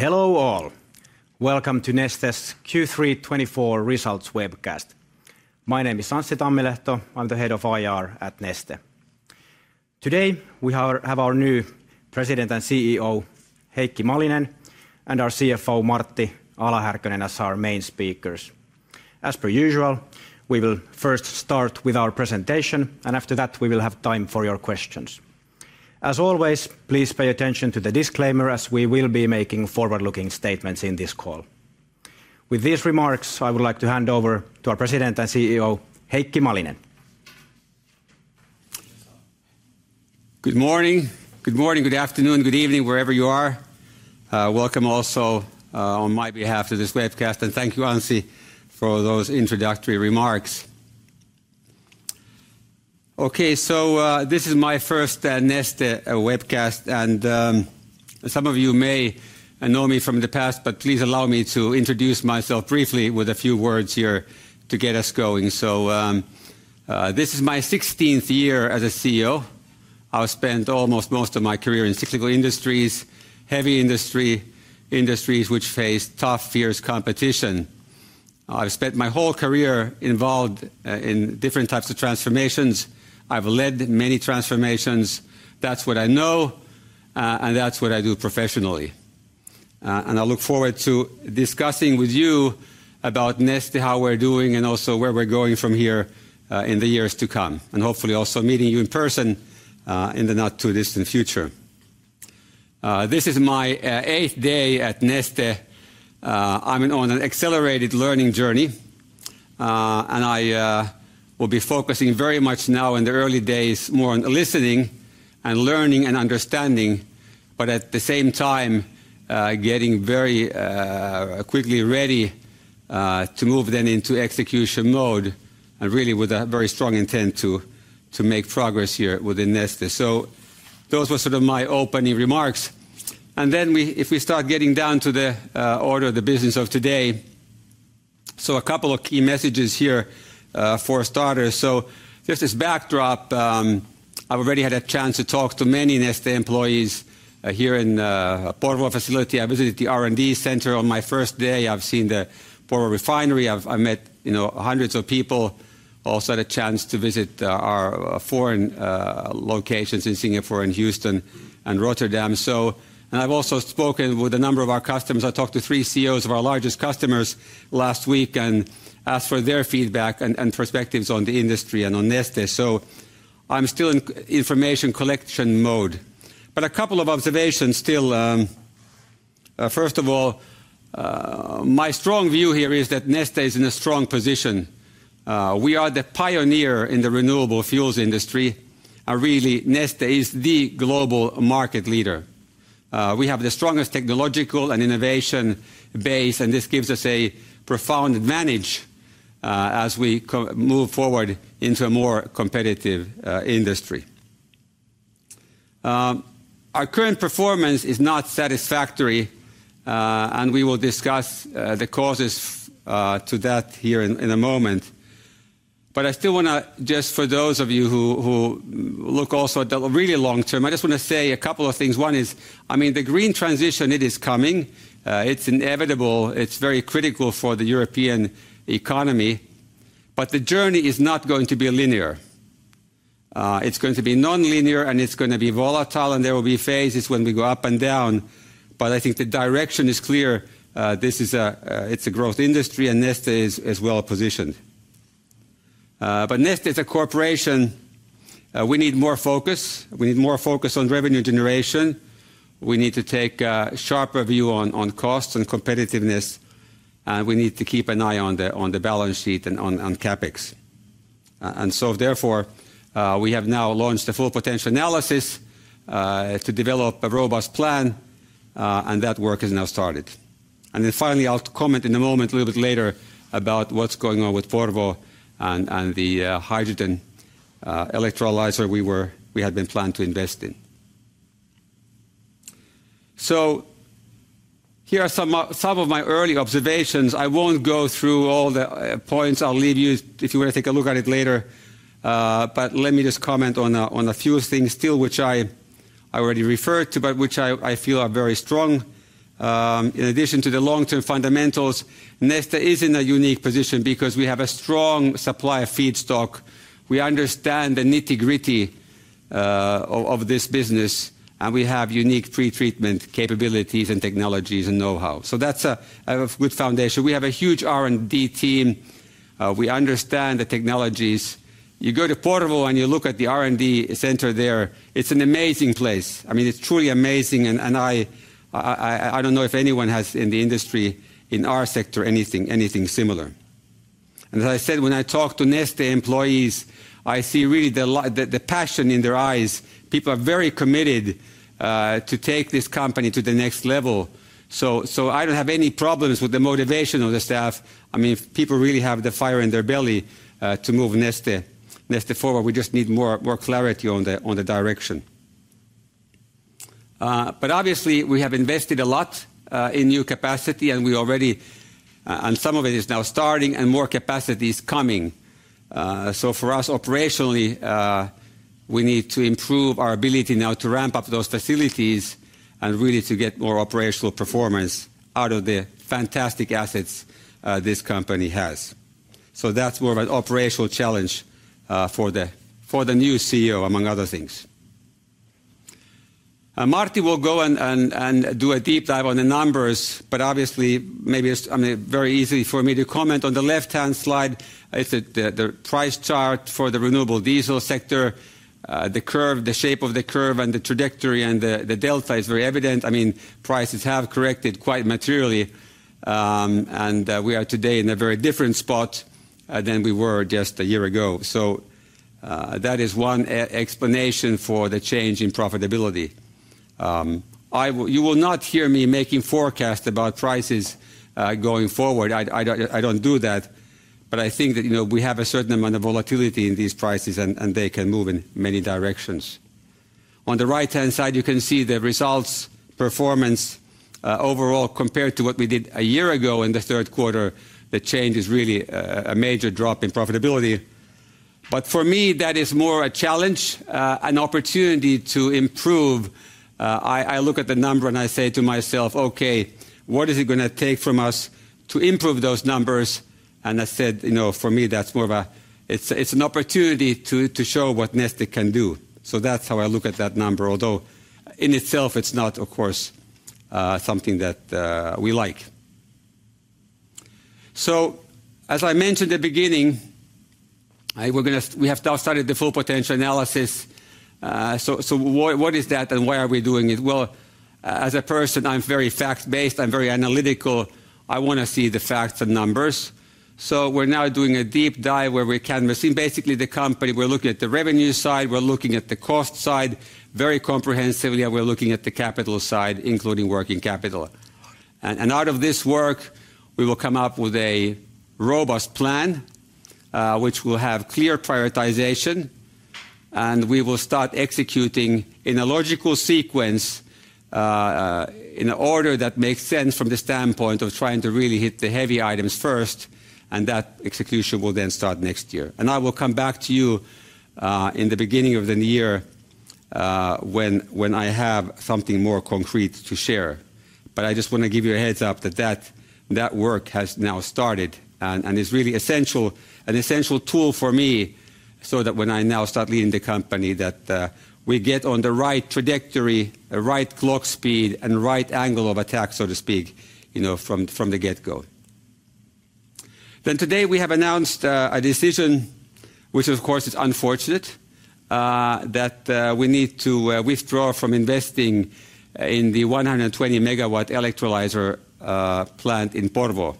Hello, all. Welcome to Neste's Q3 2024 Results Webcast. My name is Anssi Tammilehto. I'm the head of IR at Neste. Today, we have our new President and CEO, Heikki Malinen, and our CFO, Martti Ala-Härkönen, as our main speakers. As per usual, we will first start with our presentation, and after that, we will have time for your questions. As always, please pay attention to the disclaimer, as we will be making forward-looking statements in this call. With these remarks, I would like to hand over to our President and CEO, Heikki Malinen. Good morning! Good morning, good afternoon, good evening, wherever you are. Welcome also, on my behalf, to this webcast, and thank you, Anssi, for those introductory remarks. Okay, so, this is my first Neste webcast, and, some of you may know me from the past, but please allow me to introduce myself briefly with a few words here to get us going. So, this is my sixteenth year as a CEO. I've spent almost most of my career in cyclical industries, heavy industry, industries which face tough, fierce competition. I've spent my whole career involved in different types of transformations. I've led many transformations. That's what I know, and that's what I do professionally. And I look forward to discussing with you about Neste, how we're doing, and also where we're going from here, in the years to come, and hopefully also meeting you in person, in the not-too-distant future. This is my eighth day at Neste. I'm on an accelerated learning journey, and I will be focusing very much now in the early days, more on listening and learning and understanding, but at the same time, getting very quickly ready to move then into execution mode and really with a very strong intent to make progress here within Neste. So those were sort of my opening remarks. And then we... If we start getting down to the order of the business of today, so a couple of key messages here for starters. So just as backdrop, I've already had a chance to talk to many Neste employees here in Porvoo facility. I visited the R&D center on my first day. I've seen the Porvoo refinery. I've met, you know, hundreds of people. Also, had a chance to visit our foreign locations in Singapore and Houston and Rotterdam. So, and I've also spoken with a number of our customers. I talked to three CEOs of our largest customers last week and asked for their feedback and perspectives on the industry and on Neste. So I'm still in information collection mode. But a couple of observations still. First of all, my strong view here is that Neste is in a strong position. We are the pioneer in the renewable fuels industry, and really, Neste is the global market leader. We have the strongest technological and innovation base, and this gives us a profound advantage as we move forward into a more competitive industry. Our current performance is not satisfactory, and we will discuss the causes to that here in a moment. But I still wanna, just for those of you who look also at the really long term, I just wanna say a couple of things. One is, I mean, the green transition, it is coming, it's inevitable. It's very critical for the European economy, but the journey is not going to be linear. It's going to be nonlinear, and it's gonna be volatile, and there will be phases when we go up and down, but I think the direction is clear. This is a, it's a growth industry, and Neste is well positioned. But Neste is a corporation. We need more focus. We need more focus on revenue generation. We need to take a sharper view on costs and competitiveness, and we need to keep an eye on the balance sheet and on CapEx. And so therefore, we have now launched a full potential analysis to develop a robust plan, and that work has now started. And then finally, I'll comment in a moment, a little bit later, about what's going on with Porvoo and the hydrogen electrolyzer we had been planned to invest in. So here are some of my early observations. I won't go through all the points. I'll leave you... If you wanna take a look at it later, but let me just comment on a few things still, which I already referred to, but which I feel are very strong. In addition to the long-term fundamentals, Neste is in a unique position because we have a strong supply of feedstock. We understand the nitty-gritty of this business, and we have unique pre-treatment capabilities and technologies and know-how. So that's a good foundation. We have a huge R&D team. We understand the technologies. You go to Porvoo and you look at the R&D center there, it's an amazing place. I mean, it's truly amazing, and I don't know if anyone has in the industry, in our sector, anything similar. And as I said, when I talk to Neste employees, I see really the passion in their eyes. People are very committed to take this company to the next level, so I don't have any problems with the motivation of the staff. I mean, people really have the fire in their belly to move Neste forward. We just need more clarity on the direction, but obviously, we have invested a lot in new capacity, and some of it is now starting, and more capacity is coming, so for us operationally, we need to improve our ability now to ramp up those facilities and really to get more operational performance out of the fantastic assets this company has. So that's more of an operational challenge for the new CEO, among other things. And Martti will go and do a deep dive on the numbers, but obviously, maybe it's, I mean, very easy for me to comment. On the left-hand slide is the price chart for the renewable diesel sector. The curve, the shape of the curve, and the trajectory, and the delta is very evident. I mean, prices have corrected quite materially, and we are today in a very different spot than we were just a year ago. That is one explanation for the change in profitability. You will not hear me making forecast about prices going forward. I don't do that, but I think that, you know, we have a certain amount of volatility in these prices, and they can move in many directions. On the right-hand side, you can see the results, performance, overall, compared to what we did a year ago in the third quarter, the change is really a major drop in profitability. But for me, that is more a challenge, an opportunity to improve. I look at the number, and I say to myself, "Okay, what is it gonna take from us to improve those numbers?" And I said, you know, for me, that's more of a... It's an opportunity to show what Neste can do. So that's how I look at that number, although in itself, it's not, of course, something that we like. So, as I mentioned at the beginning, we have now started the full potential analysis. So what is that, and why are we doing it? Well, as a person, I'm very fact-based. I'm very analytical. I wanna see the facts and numbers, so we're now doing a deep dive where we're canvassing basically the company. We're looking at the revenue side, we're looking at the cost side very comprehensively, and we're looking at the capital side, including working capital. Out of this work, we will come up with a robust plan, which will have clear prioritization, and we will start executing in a logical sequence, in an order that makes sense from the standpoint of trying to really hit the heavy items first, and that execution will then start next year. I will come back to you in the beginning of the new year, when I have something more concrete to share. But I just want to give you a heads-up that that work has now started and is really essential, an essential tool for me, so that when I now start leading the company, that we get on the right trajectory, the right clock speed, and right angle of attack, so to speak, you know, from the get-go. Today, we have announced a decision, which, of course, is unfortunate, that we need to withdraw from investing in the 120 megawatt electrolyzer plant in Porvoo.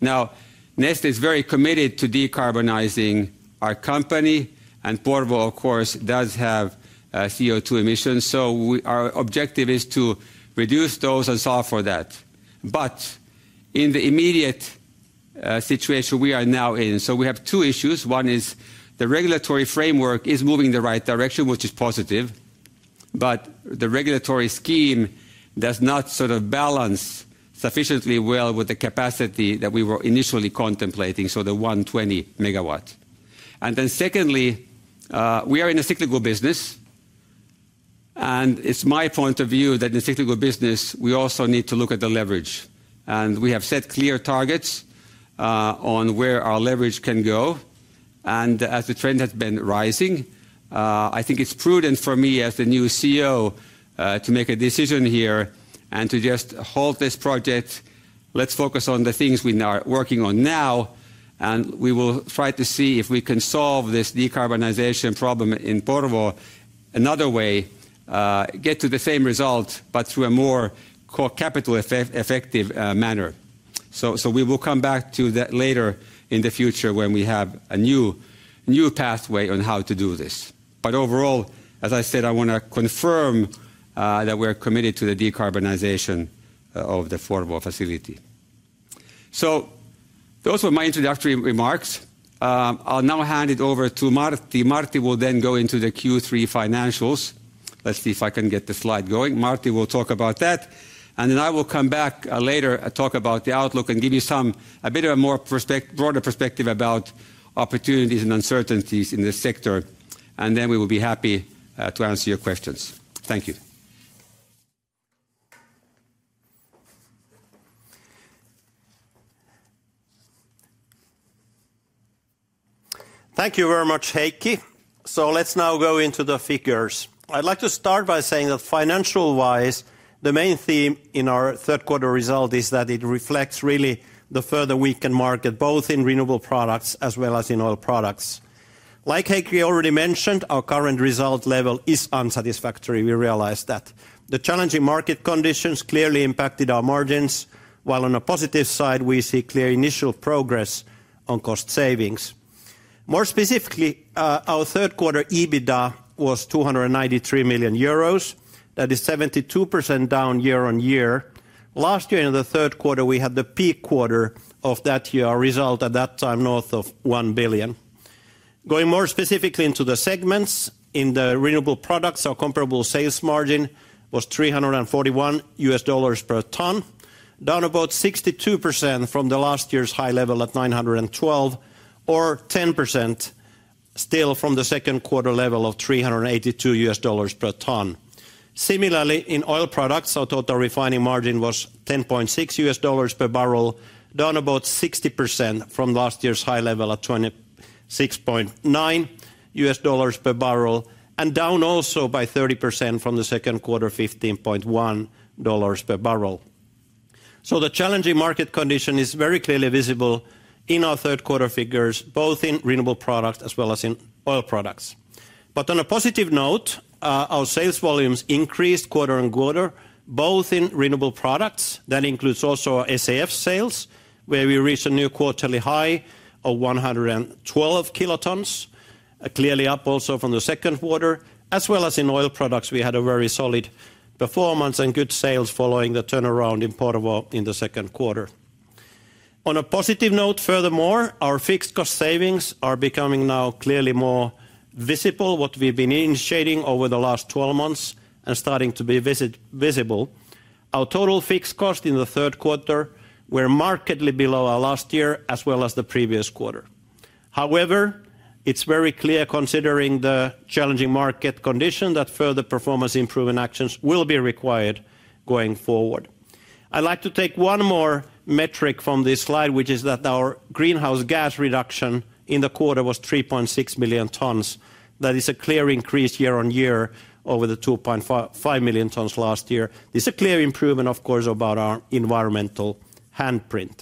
Now, Neste is very committed to decarbonizing our company, and Porvoo, of course, does have CO2 emissions, so we... Our objective is to reduce those and solve for that. But in the immediate situation we are now in, so we have two issues. One is the regulatory framework is moving in the right direction, which is positive, but the regulatory scheme does not sort of balance sufficiently well with the capacity that we were initially contemplating, so the 120 megawatt. And then secondly, we are in a cyclical business, and it's my point of view that in a cyclical business, we also need to look at the leverage. And we have set clear targets on where our leverage can go, and as the trend has been rising, I think it's prudent for me as the new CEO to make a decision here and to just halt this project. Let's focus on the things we are working on now, and we will try to see if we can solve this decarbonization problem in Porvoo another way, get to the same result, but through a more capital-effective manner. So we will come back to that later in the future when we have a new pathway on how to do this. But overall, as I said, I want to confirm that we're committed to the decarbonization of the Porvoo facility, so those were my introductory remarks. I'll now hand it over to Martti. Martti will then go into the Q3 financials. Let's see if I can get the slide going. Martti will talk about that, and then I will come back later and talk about the outlook and give you a bit of a more broader perspective about opportunities and uncertainties in this sector, and then we will be happy to answer your questions. Thank you. Thank you very much, Heikki. So let's now go into the figures. I'd like to start by saying that financial-wise, the main theme in our third quarter result is that it reflects really the further weakened market, both in renewable products as well as in oil products. Like Heikki already mentioned, our current result level is unsatisfactory. We realize that. The challenging market conditions clearly impacted our margins, while on a positive side, we see clear initial progress on cost savings. More specifically, our third quarter EBITDA was 293 million euros. That is 72% down year-on-year. Last year, in the third quarter, we had the peak quarter of that year, our result at that time, north of 1 billion. Going more specifically into the segments, in the renewable products, our comparable sales margin was $341 per ton, down about 62% from the last year's high level at 912, or 10% still from the second quarter level of $382 per ton. Similarly, in oil products, our total refining margin was $10.6 per barrel, down about 60% from last year's high level of $26.9 per barrel, and down also by 30% from the second quarter, $15.1 per barrel. So the challenging market condition is very clearly visible in our third quarter figures, both in renewable products as well as in oil products. But on a positive note, our sales volumes increased quarter on quarter, both in renewable products, that includes also our SAF sales, where we reached a new quarterly high of 112 kilotons, clearly up also from the second quarter, as well as in oil products, we had a very solid performance and good sales following the turnaround in Porvoo in the second quarter. On a positive note, furthermore, our fixed cost savings are becoming now clearly more visible, what we've been initiating over the last 12 months and starting to be visible. Our total fixed cost in the third quarter were markedly below our last year, as well as the previous quarter. However, it's very clear, considering the challenging market condition, that further performance improvement actions will be required going forward. I'd like to take one more metric from this slide, which is that our greenhouse gas reduction in the quarter was 3.6 million tons. That is a clear increase year-on-year over the 2.55 million tons last year. This is a clear improvement, of course, about our environmental handprint.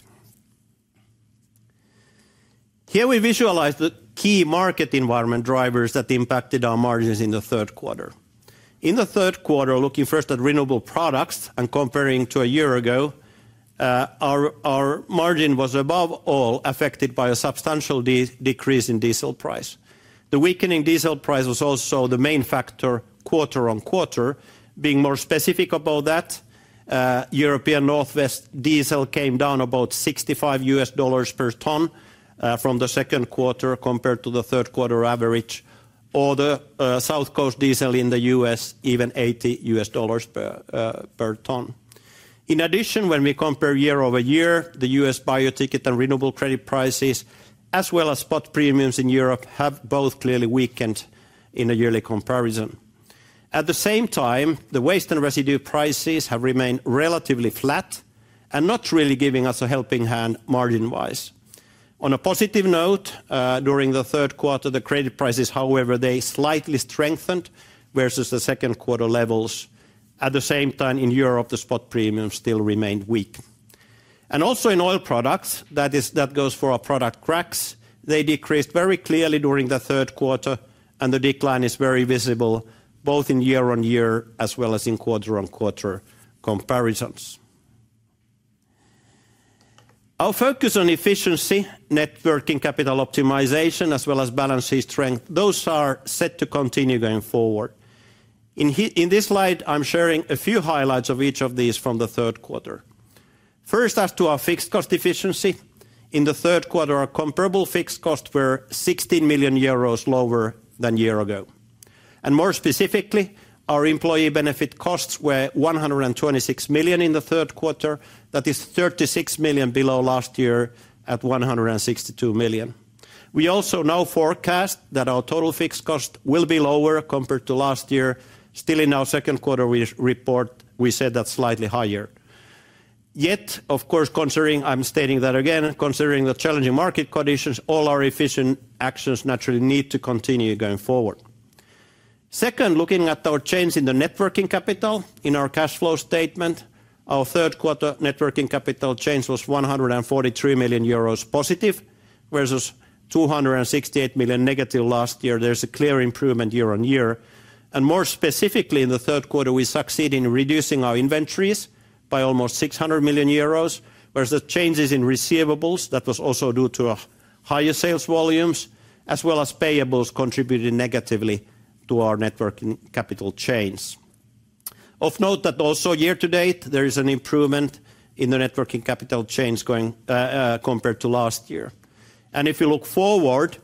Here we visualize the key market environment drivers that impacted our margins in the third quarter. In the third quarter, looking first at renewable products and comparing to a year ago, our margin was above all affected by a substantial decrease in diesel price. The weakening diesel price was also the main factor quarter on quarter. Being more specific about that, Northwest Europe diesel came down about $65 per ton from the second quarter compared to the third quarter average, or the Gulf Coast diesel in the U.S., even $80 per ton. In addition, when we compare year-over-year, the US bio-ticket and renewable credit prices, as well as spot premiums in Europe, have both clearly weakened in a yearly comparison. At the same time, the waste and residue prices have remained relatively flat and not really giving us a helping hand margin-wise. On a positive note, during the third quarter, the credit prices, however, they slightly strengthened versus the second quarter levels. At the same time, in Europe, the spot premium still remained weak. And also in oil products, that is, that goes for our product cracks. They decreased very clearly during the third quarter, and the decline is very visible, both in year-on-year as well as in quarter-on-quarter comparisons. Our focus on efficiency, working capital optimization, as well as balance sheet strength, those are set to continue going forward. In this slide, I'm sharing a few highlights of each of these from the third quarter. First, as to our fixed cost efficiency, in the third quarter, our comparable fixed costs were 16 million euros lower than a year ago. And more specifically, our employee benefit costs were 126 million in the third quarter. That is 36 million below last year at 162 million. We also now forecast that our total fixed cost will be lower compared to last year. Still, in our second quarter report, we said that slightly higher. Yet, of course, considering I'm stating that again, considering the challenging market conditions, all our efficient actions naturally need to continue going forward. Second, looking at our change in the net working capital, in our cash flow statement, our third quarter net working capital change was 143 million euros positive, versus 268 million EUR negative last year. There's a clear improvement year-on-year, and more specifically, in the third quarter, we succeed in reducing our inventories by almost 600 million euros, whereas the changes in receivables, that was also due to higher sales volumes, as well as payables, contributed negatively to our net working capital change. Of note that also year to date, there is an improvement in the net working capital change going compared to last year. If you look forward,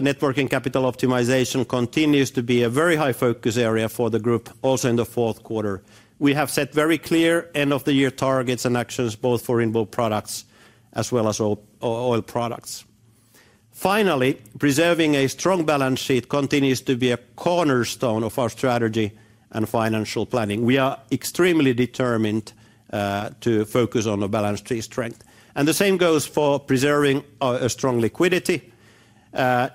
net working capital optimization continues to be a very high focus area for the group also in the fourth quarter. We have set very clear end-of-the-year targets and actions, both for renewable products as well as oil products. Finally, preserving a strong balance sheet continues to be a cornerstone of our strategy and financial planning. We are extremely determined to focus on balance sheet strength, and the same goes for preserving a strong liquidity.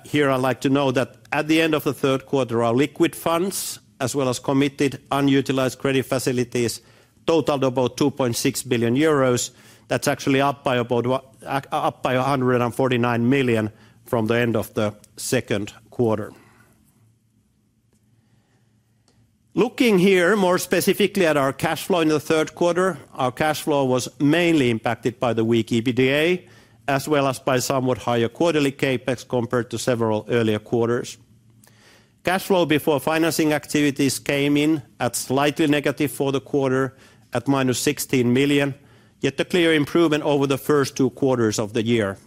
Here, I'd like to note that at the end of the third quarter, our liquid funds, as well as committed unutilized credit facilities, totaled about 2.6 billion euros. That's actually up by about 149 million from the end of the second quarter. Looking here more specifically at our cash flow in the third quarter, our cash flow was mainly impacted by the weak EBITDA, as well as by somewhat higher quarterly CapEx compared to several earlier quarters. Cash flow before financing activities came in at slightly negative for the quarter, at -16 million, yet a clear improvement over the first two quarters of the year.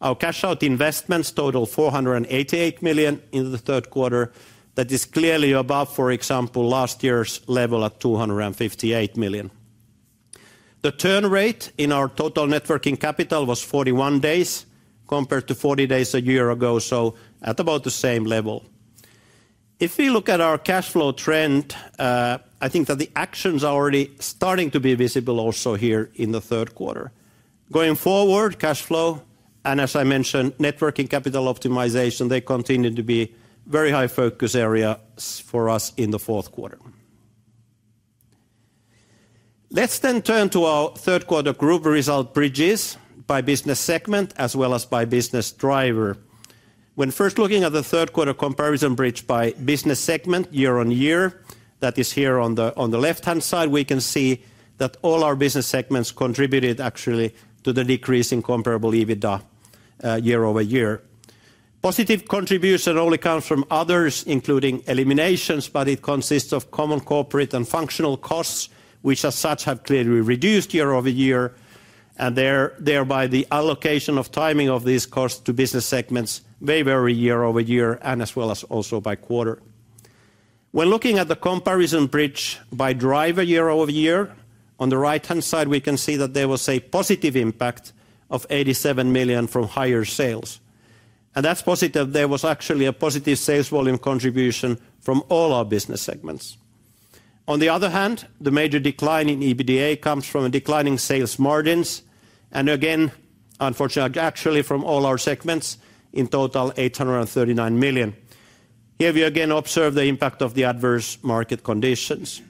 Our cash outflows for investments total 488 million in the third quarter. That is clearly above, for example, last year's level of 258 million. The turn rate in our total net working capital was 41 days, compared to 40 days a year ago, so at about the same level. If we look at our cash flow trend, I think that the actions are already starting to be visible also here in the third quarter. Going forward, cash flow, and as I mentioned, net working capital optimization, they continue to be very high focus areas for us in the fourth quarter. Let's then turn to our third quarter group result bridges by business segment, as well as by business driver. When first looking at the third quarter comparison bridge by business segment year-on-year, that is here on the left-hand side, we can see that all our business segments contributed actually to the decrease in comparable EBITDA year-over-year. Positive contribution only comes from others, including eliminations, but it consists of common corporate and functional costs, which as such, have clearly reduced year-over-year, and thereby, the allocation of timing of these costs to business segments may vary year-over-year, and as well as also by quarter. When looking at the comparison bridge by driver year-over-year, on the right-hand side, we can see that there was a positive impact of 87 million EUR from higher sales. And that's positive. There was actually a positive sales volume contribution from all our business segments. On the other hand, the major decline in EBITDA comes from a declining sales margins, and again, unfortunately, actually from all our segments, in total, 839 million EUR. Here we again observe the impact of the adverse market conditions.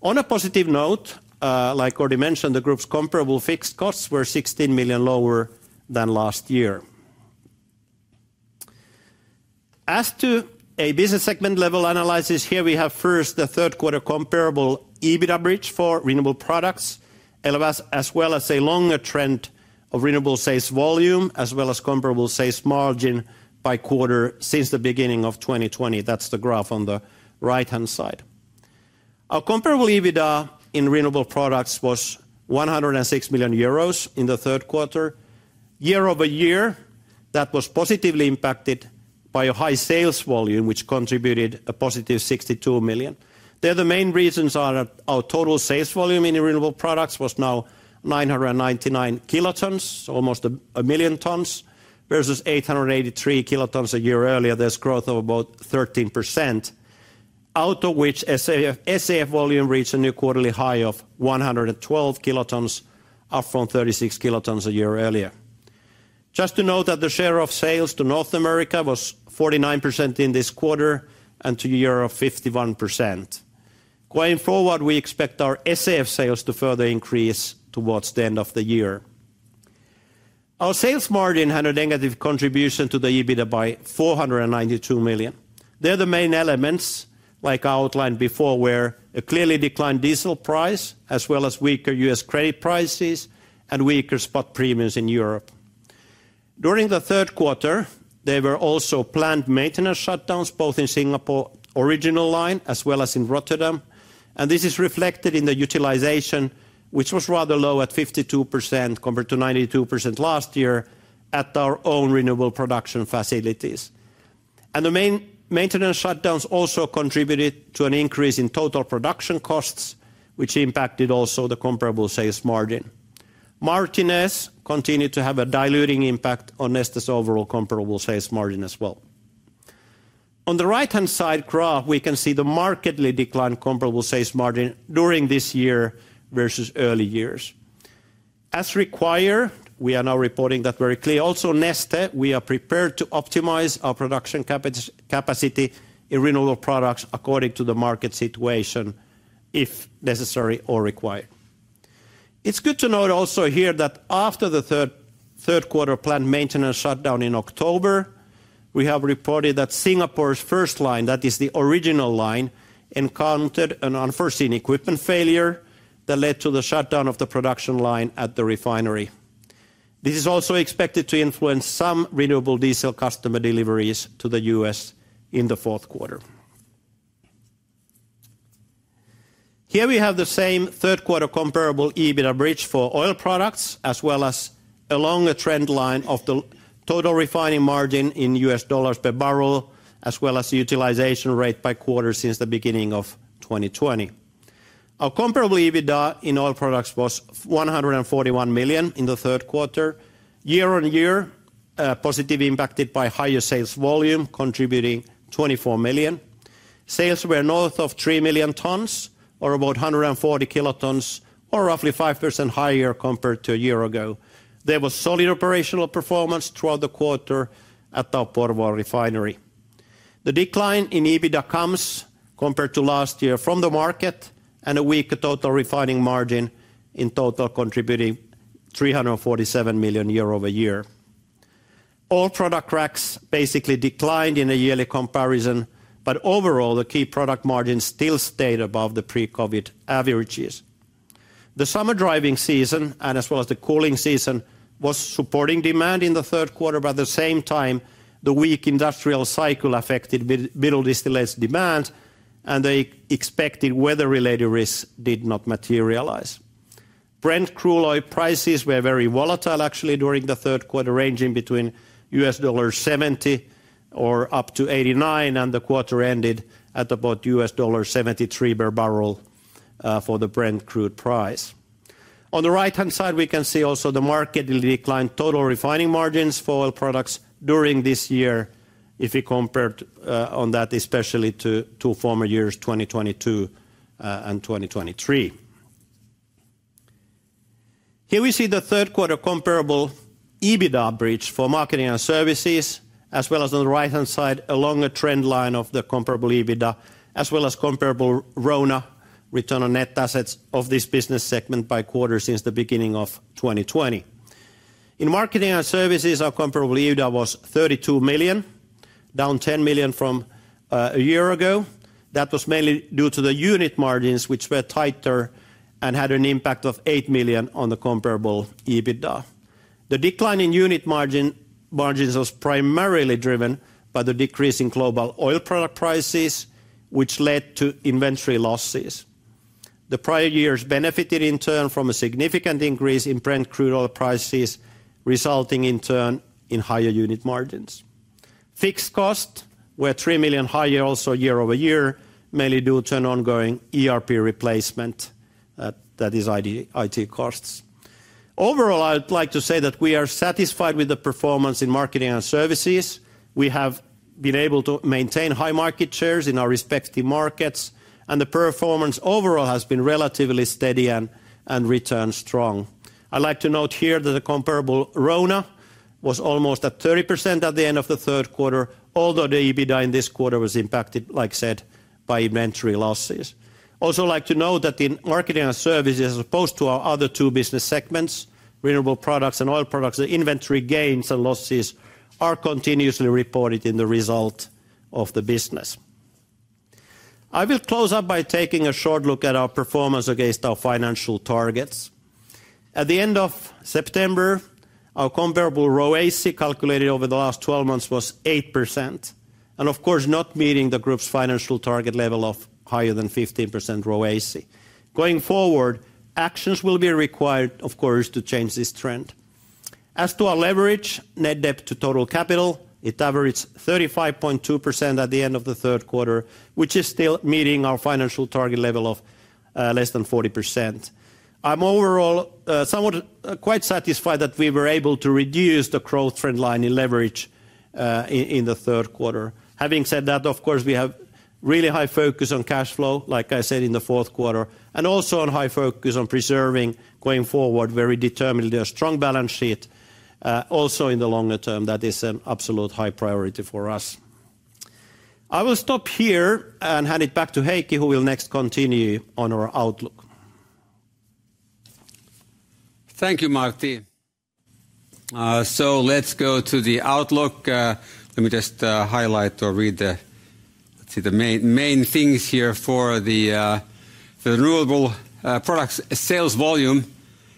On a positive note, like already mentioned, the group's comparable fixed costs were 16 million EUR lower than last year. As to a business segment level analysis, here we have first the third quarter comparable EBITDA bridge for renewable products, as well as a longer trend of renewable sales volume, as well as comparable sales margin by quarter since the beginning of 2020. That's the graph on the right-hand side. Our comparable EBITDA in renewable products was 106 million euros in the third quarter. Year-over-year, that was positively impacted by a high sales volume, which contributed a positive 62 million. There, the main reasons are our total sales volume in renewable products was now 999 kilotons, almost a million tons, versus 883 kilotons a year earlier. There's growth of about 13%, out of which SAF, SAF volume reached a new quarterly high of 112 kilotons, up from 36 kilotons a year earlier. Just to note that the share of sales to North America was 49% in this quarter, and to Europe, 51%. Going forward, we expect our SAF sales to further increase towards the end of the year. Our sales margin had a negative contribution to the EBITDA by 492 million. There, the main elements, like I outlined before, were a clearly declined diesel price, as well as weaker US credit prices and weaker spot premiums in Europe. During the third quarter, there were also planned maintenance shutdowns, both in Singapore original line, as well as in Rotterdam, and this is reflected in the utilization, which was rather low at 52%, compared to 92% last year, at our own renewable production facilities. And the main maintenance shutdowns also contributed to an increase in total production costs, which impacted also the comparable sales margin. Martinez continued to have a diluting impact on Neste's overall comparable sales margin as well. On the right-hand side graph, we can see the markedly declined comparable sales margin during this year versus early years. As required, we are now reporting that very clear. Also, Neste, we are prepared to optimize our production capacity in renewable products according to the market situation, if necessary or required. It's good to note also here that after the third quarter planned maintenance shutdown in October, we have reported that Singapore's first line, that is the original line, encountered an unforeseen equipment failure that led to the shutdown of the production line at the refinery. This is also expected to influence some renewable diesel customer deliveries to the U.S. in the fourth quarter. Here we have the same third quarter comparable EBITDA bridge for oil products, as well as along the trend line of the total refining margin in U.S. dollars per barrel, as well as the utilization rate by quarter since the beginning of 2020. Our comparable EBITDA in oil products was 141 million in the third quarter, year-on-year, positively impacted by higher sales volume, contributing 24 million. Sales were north of 3 million tons, or about 140 kilotons, or roughly 5% higher compared to a year ago. There was solid operational performance throughout the quarter at our Porvoo refinery. The decline in EBITDA comes, compared to last year, from the market and a weaker total refining margin, in total, contributing 347 million euro year-over-year. All product cracks basically declined in a yearly comparison, but overall, the key product margins still stayed above the pre-COVID averages. The summer driving season, and as well as the cooling season, was supporting demand in the third quarter, but at the same time, the weak industrial cycle affected middle distillates demand, and the expected weather-related risks did not materialize. Brent crude oil prices were very volatile actually, during the third quarter, ranging between $70 or up to $89, and the quarter ended at about $73 per barrel for the Brent crude price. On the right-hand side, we can see also the market in decline, total refining margins for oil products during this year, if we compared on that, especially to former years, 2022 and 2023. Here we see the third quarter comparable EBITDA bridge for marketing and services, as well as on the right-hand side, along a trend line of the comparable EBITDA, as well as comparable RONA, return on net assets, of this business segment by quarter since the beginning of 2020. In marketing and services, our comparable EBITDA was 32 million EUR, down 10 million EUR from a year ago. That was mainly due to the unit margins, which were tighter and had an impact of 8 million EUR on the comparable EBITDA. The decline in unit margins was primarily driven by the decrease in global oil product prices, which led to inventory losses. The prior years benefited in turn from a significant increase in Brent crude oil prices, resulting in turn in higher unit margins. Fixed costs were 3 million higher also year-over-year, mainly due to an ongoing ERP replacement, that is IT costs. Overall, I'd like to say that we are satisfied with the performance in marketing and services. We have been able to maintain high market shares in our respective markets, and the performance overall has been relatively steady and returns strong. I'd like to note here that the comparable RONA was almost at 30% at the end of the third quarter, although the EBITDA in this quarter was impacted, like I said, by inventory losses. Also, I'd like to note that in marketing and services, as opposed to our other two business segments, renewable products and oil products, the inventory gains and losses are continuously reported in the result of the business. I will close up by taking a short look at our performance against our financial targets. At the end of September, our comparable ROAC, calculated over the last twelve months, was 8%, and of course, not meeting the group's financial target level of higher than 15% ROAC. Going forward, actions will be required, of course, to change this trend. As to our leverage, net debt to total capital, it averaged 35.2% at the end of the third quarter, which is still meeting our financial target level of less than 40%. I'm overall, somewhat, quite satisfied that we were able to reduce the growth trend line in leverage in the third quarter. Having said that, of course, we have really high focus on cash flow, like I said, in the fourth quarter, and also on high focus on preserving, going forward, very determinedly, a strong balance sheet, also in the longer term. That is an absolute high priority for us. I will stop here and hand it back to Heikki, who will next continue on our outlook. Thank you, Martti. So let's go to the outlook. Let me just highlight or read the, let's see, the main, main things here for the renewable products. Sales volume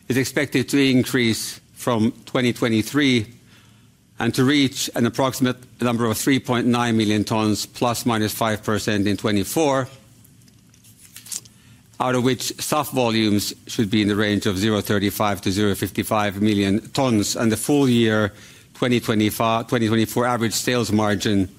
is expected to increase from 2023, and to reach an approximate number of 3.9 million tons, plus or minus 5% in 2024. Out of which, SAF volumes should be in the range of 0.35-0.55 million tons, and the full year, 2024 average sales margin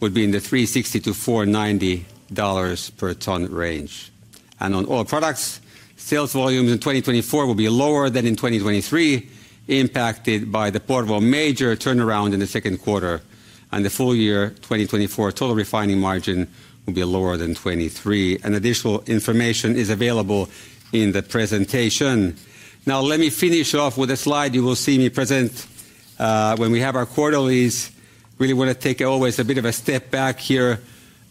would be in the $360-$490 per ton range. On oil products, sales volumes in 2024 will be lower than in 2023, impacted by the Porvoo turnaround in the second quarter, and the full year, 2024, total refining margin will be lower than 2023. An additional information is available in the presentation. Now, let me finish off with a slide you will see me present when we have our quarterlies. Really want to take always a bit of a step back here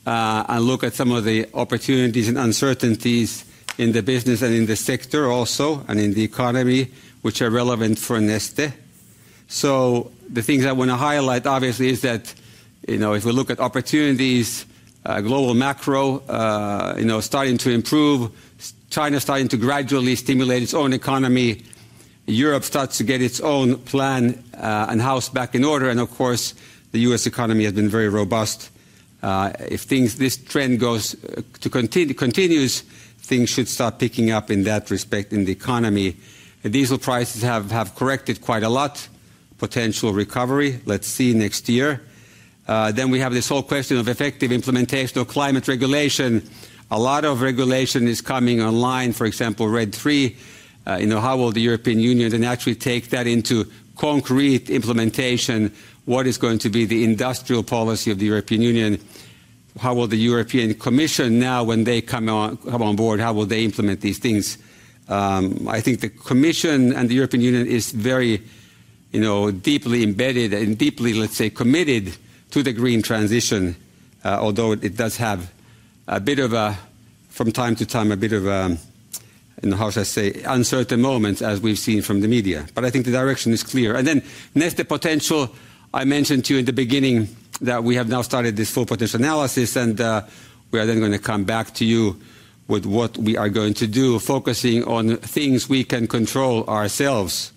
and look at some of the opportunities and uncertainties in the business and in the sector also, and in the economy, which are relevant for Neste. So the things I want to highlight, obviously, is that, you know, if we look at opportunities, global macro, you know, starting to improve, China's starting to gradually stimulate its own economy, Europe starts to get its own plan and house back in order, and of course, the U.S. economy has been very robust. If this trend continues, things should start picking up in that respect in the economy. Diesel prices have corrected quite a lot. Potential recovery, let's see next year. Then we have this whole question of effective implementation of climate regulation. A lot of regulation is coming online, for example, RED III. You know, how will the European Union then actually take that into concrete implementation? What is going to be the industrial policy of the European Union? How will the European Commission, now, when they come on board, how will they implement these things? I think the Commission and the European Union is very, you know, deeply embedded and deeply, let's say, committed to the green transition, although it does have a bit of a, from time to time, a bit of, how should I say, uncertain moments, as we've seen from the media. I think the direction is clear. And then Neste potential. I mentioned to you in the beginning that we have now started this full potential analysis, and we are then gonna come back to you with what we are going to do, focusing on things we can control ourselves.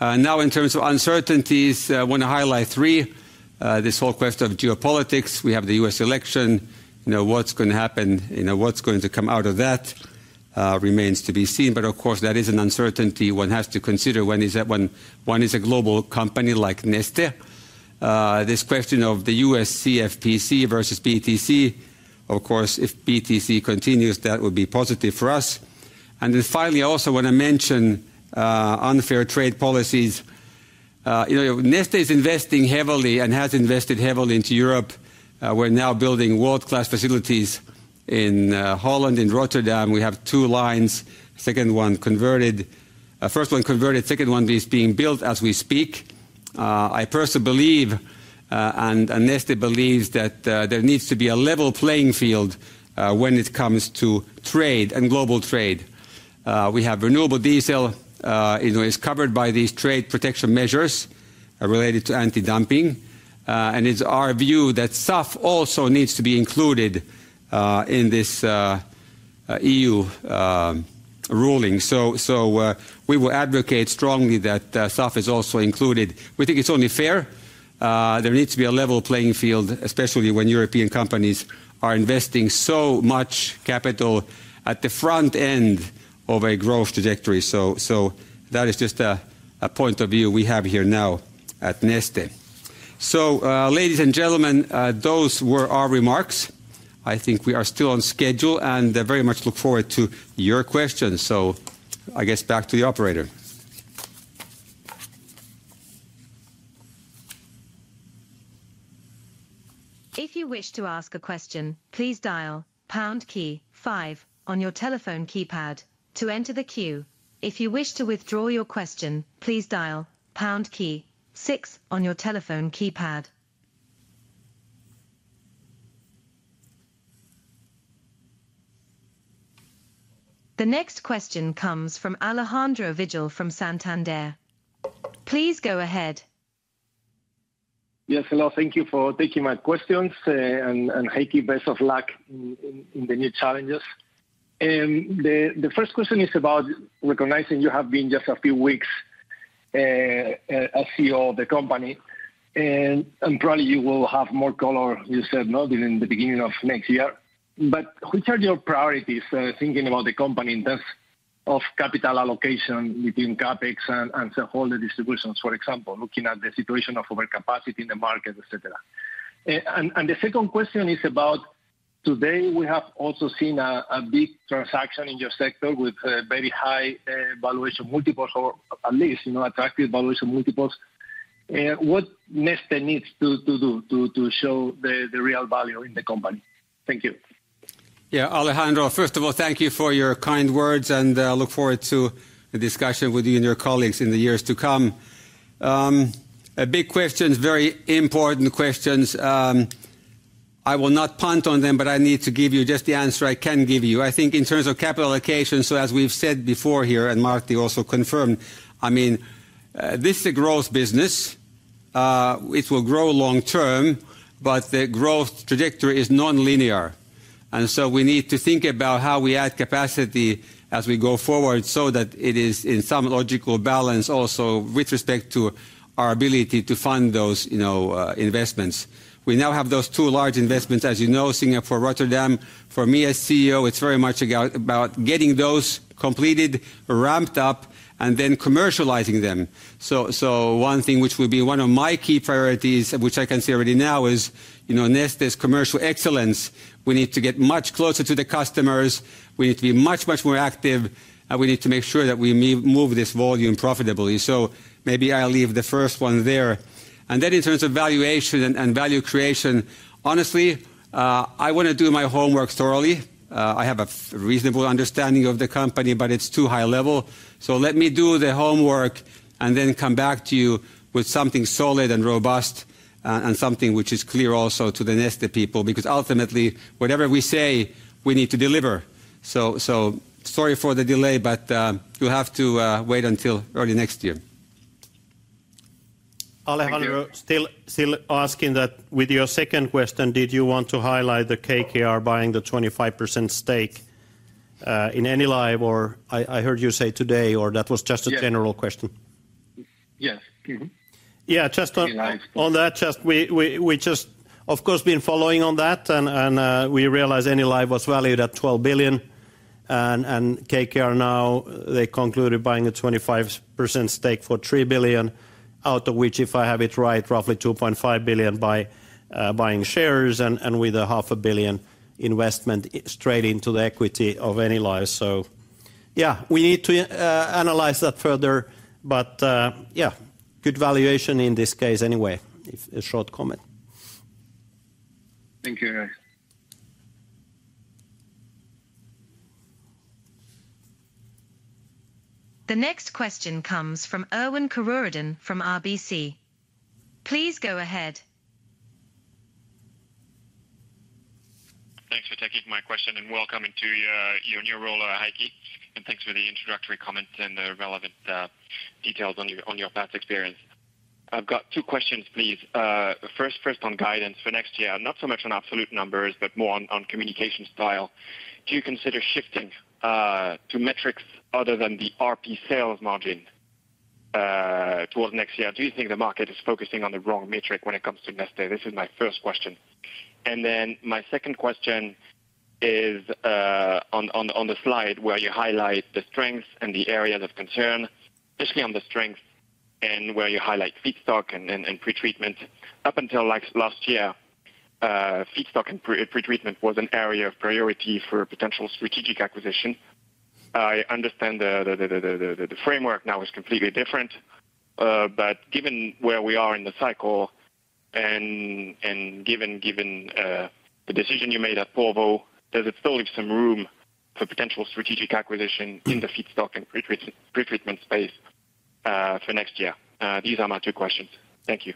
Now in terms of uncertainties, I want to highlight three. This whole question of geopolitics. We have the U.S. election. You know, what's going to happen, you know, what's going to come out of that, remains to be seen. But of course, that is an uncertainty one has to consider when one is a global company like Neste. This question of the U.S. CFPC versus BTC, of course, if BTC continues, that would be positive for us. And then finally, I also want to mention unfair trade policies. You know, Neste is investing heavily and has invested heavily into Europe. We're now building world-class facilities in Holland, in Rotterdam. We have two lines, second one converted. First one converted, second one is being built as we speak. I personally believe, and Neste believes that there needs to be a level playing field when it comes to trade and global trade. We have renewable diesel, it is covered by these trade protection measures related to anti-dumping, and it's our view that SAF also needs to be included in this EU ruling. So we will advocate strongly that SAF is also included. We think it's only fair. There needs to be a level playing field, especially when European companies are investing so much capital at the front end of a growth trajectory. So that is just a point of view we have here now at Neste. So, ladies and gentlemen, those were our remarks. I think we are still on schedule, and I very much look forward to your questions. So I guess back to the operator. If you wish to ask a question, please dial pound key five on your telephone keypad to enter the queue. If you wish to withdraw your question, please dial pound key six on your telephone keypad. The next question comes from Alejandro Vigil from Santander. Please go ahead. Yes, hello, thank you for taking my questions. Heikki, best of luck in the new challenges. The first question is about recognizing you have been just a few weeks CEO of the company, and probably you will have more color, you said not in the beginning of next year, but which are your priorities thinking about the company in terms of capital allocation between CapEx and shareholder distributions, for example, looking at the situation of overcapacity in the market, et cetera. The second question is about today, we have also seen a big transaction in your sector with very high valuation multiples or at least, you know, attractive valuation multiples. What Neste needs to do to show the real value in the company? Thank you. Yeah, Alejandro, first of all, thank you for your kind words, and I look forward to a discussion with you and your colleagues in the years to come. A big question, very important questions. I will not punt on them, but I need to give you just the answer I can give you. I think in terms of capital allocation, so as we've said before here, and Martti also confirmed, I mean, this is a growth business. It will grow long term, but the growth trajectory is non-linear, and so we need to think about how we add capacity as we go forward so that it is in some logical balance also with respect to our ability to fund those, you know, investments. We now have those two large investments, as you know, Singapore, Rotterdam. For me as CEO, it's very much about getting those completed, ramped up, and then commercializing them. So one thing which will be one of my key priorities, which I can say already now, is, you know, Neste's commercial excellence. We need to get much closer to the customers. We need to be much, much more active, and we need to make sure that we move this volume profitably. So maybe I'll leave the first one there. And then in terms of valuation and value creation, honestly, I want to do my homework thoroughly. I have a reasonable understanding of the company, but it's too high level. So let me do the homework and then come back to you with something solid and robust, and something which is clear also to the Neste people, because ultimately, whatever we say, we need to deliver. So, so sorry for the delay, but you have to wait until early next year. Thank you. Alejandro, still asking that with your second question, did you want to highlight the KKR buying the 25% stake in Enilive or I heard you say today, or that was just a general question? Yes. Mm-hmm. Yeah, just on that, we just, of course, been following that, and we realize Enilive was valued at 12 billion, and KKR now, they concluded buying a 25% stake for 3 billion, out of which, if I have it right, roughly 2.5 billion by buying shares and with a 0.5 billion investment straight into the equity of Enilive. So yeah, we need to analyze that further, but yeah, good valuation in this case anyway. It's a short comment. Thank you. The next question comes from Erwan Kerouredan from RBC. Please go ahead. Thanks for taking my question, and welcome into your new role, Heikki, and thanks for the introductory comments and the relevant details on your past experience. I've got two questions, please. First on guidance for next year, not so much on absolute numbers, but more on communication style. Do you consider shifting to metrics other than the RP sales margin towards next year? Do you think the market is focusing on the wrong metric when it comes to Neste? This is my first question. And then my second question is on the slide where you highlight the strengths and the areas of concern, especially on the strength and where you highlight feedstock and pretreatment. Up until like last year, feedstock and pretreatment was an area of priority for potential strategic acquisition. I understand the framework now is completely different. But given where we are in the cycle and given the decision you made at Porvoo, does it still leave some room for potential strategic acquisition in the feedstock and pre-treatment space for next year? These are my two questions. Thank you.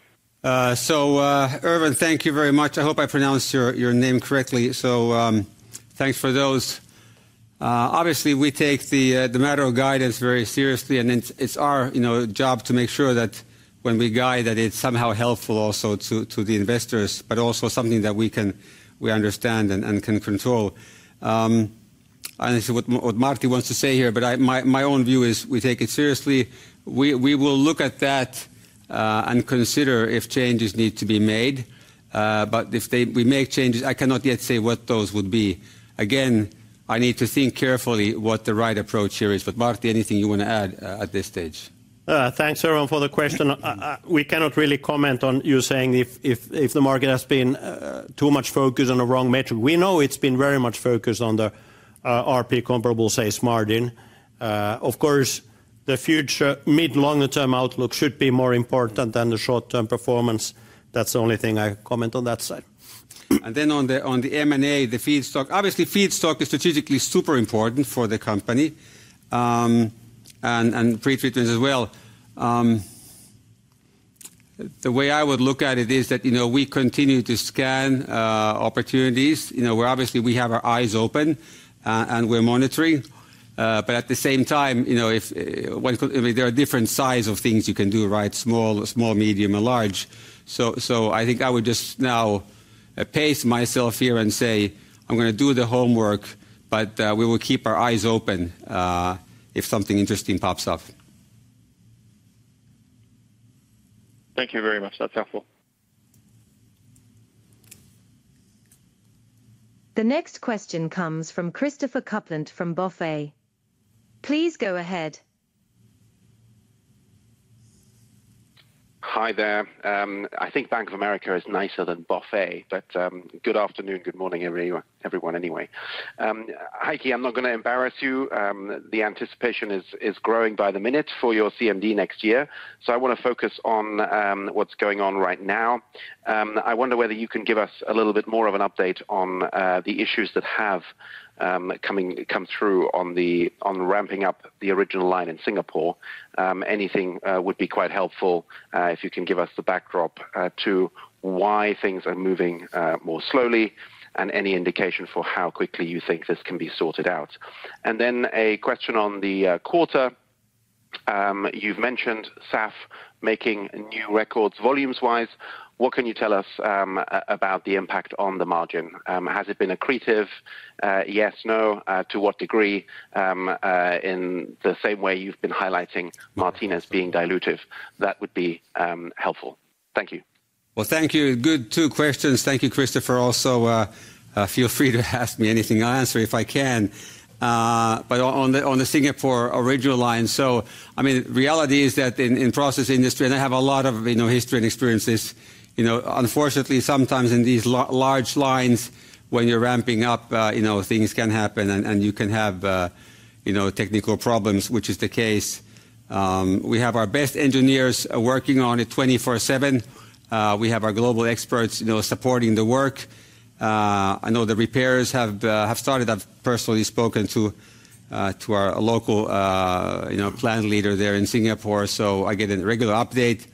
So, Irvin, thank you very much. I hope I pronounced your name correctly. So, thanks for those. Obviously, we take the matter of guidance very seriously, and it's our, you know, job to make sure that when we guide, that it's somehow helpful also to the investors, but also something that we can understand and can control. I don't know what Martti wants to say here, but my own view is we take it seriously. We will look at that and consider if changes need to be made, but if we make changes, I cannot yet say what those would be. Again, I need to think carefully what the right approach here is. But Martti, anything you want to add at this stage? Thanks, everyone, for the question. We cannot really comment on you saying if the market has been too much focused on the wrong metric. We know it's been very much focused on the RP comparable sales margin. Of course, the future mid-longer term outlook should be more important than the short-term performance. That's the only thing I comment on that side. And then on the M&A, the feedstock. Obviously, feedstock is strategically super important for the company, and pretreatments as well. The way I would look at it is that, you know, we continue to scan opportunities, you know, where obviously we have our eyes open, and we're monitoring. But at the same time, you know, well, there are different size of things you can do, right? Small, medium, and large. So, I think I would just now pace myself here and say, I'm gonna do the homework, but we will keep our eyes open, if something interesting pops up. Thank you very much. That's helpful. The next question comes from Christopher Kuplent from BofA. Please go ahead. Hi there. I think Bank of America is nicer than BofA, but, good afternoon, good morning, everyone, anyway. Heikki, I'm not gonna embarrass you. The anticipation is growing by the minute for your CMD next year, so I want to focus on what's going on right now. I wonder whether you can give us a little bit more of an update on the issues that have come through on ramping up the original line in Singapore. Anything would be quite helpful if you can give us the backdrop to why things are moving more slowly, and any indication for how quickly you think this can be sorted out. And then a question on the quarter. You've mentioned SAF making new records, volumes-wise. What can you tell us about the impact on the margin? Has it been accretive, yes, no? To what degree, in the same way you've been highlighting Martti as being dilutive, that would be helpful? Thank you. Thank you. Good two questions. Thank you, Christopher. Also, feel free to ask me anything. I'll answer if I can. But on the Singapore original line. I mean, reality is that in process industry, and I have a lot of, you know, history and experiences, you know, unfortunately, sometimes in these large lines, when you're ramping up, you know, things can happen, and you can have, you know, technical problems, which is the case. We have our best engineers working on it twenty-four seven. We have our global experts, you know, supporting the work. I know the repairs have started. I've personally spoken to our local, you know, plant leader there in Singapore, so I get a regular update.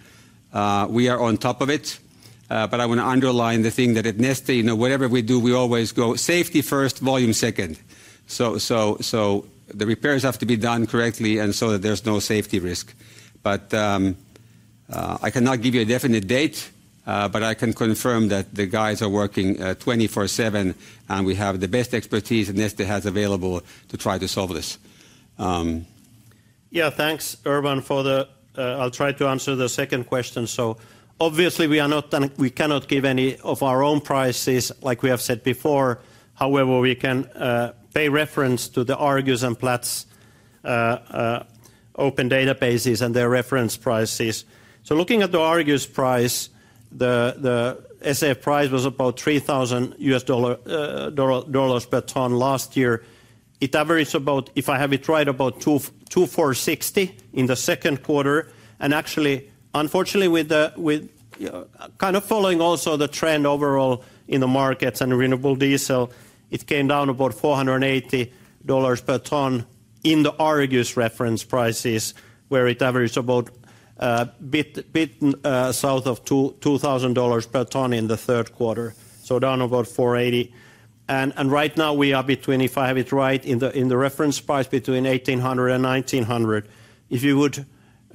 We are on top of it, but I want to underline the thing that at Neste, you know, whatever we do, we always go safety first, volume second. So the repairs have to be done correctly and so that there's no safety risk. But I cannot give you a definite date, but I can confirm that the guys are working twenty-four seven, and we have the best expertise Neste has available to try to solve this. Yeah, thanks, Erwan, for the—I'll try to answer the second question. So obviously, we are not gonna—we cannot give any of our own prices like we have said before. However, we can make reference to the Argus and Platts open databases and their reference prices. So looking at the Argus price, the SAF price was about $3,000 per ton last year. It averages about, if I have it right, about 2,460 in the second quarter. And actually, unfortunately, with kind of following also the trend overall in the markets and renewable diesel, it came down about $480 per ton in the Argus reference prices, where it averages about a bit south of 2,000 dollars per ton in the third quarter. So down about four eighty. And right now we are between, if I have it right, in the reference price between eighteen hundred and nineteen hundred. If you would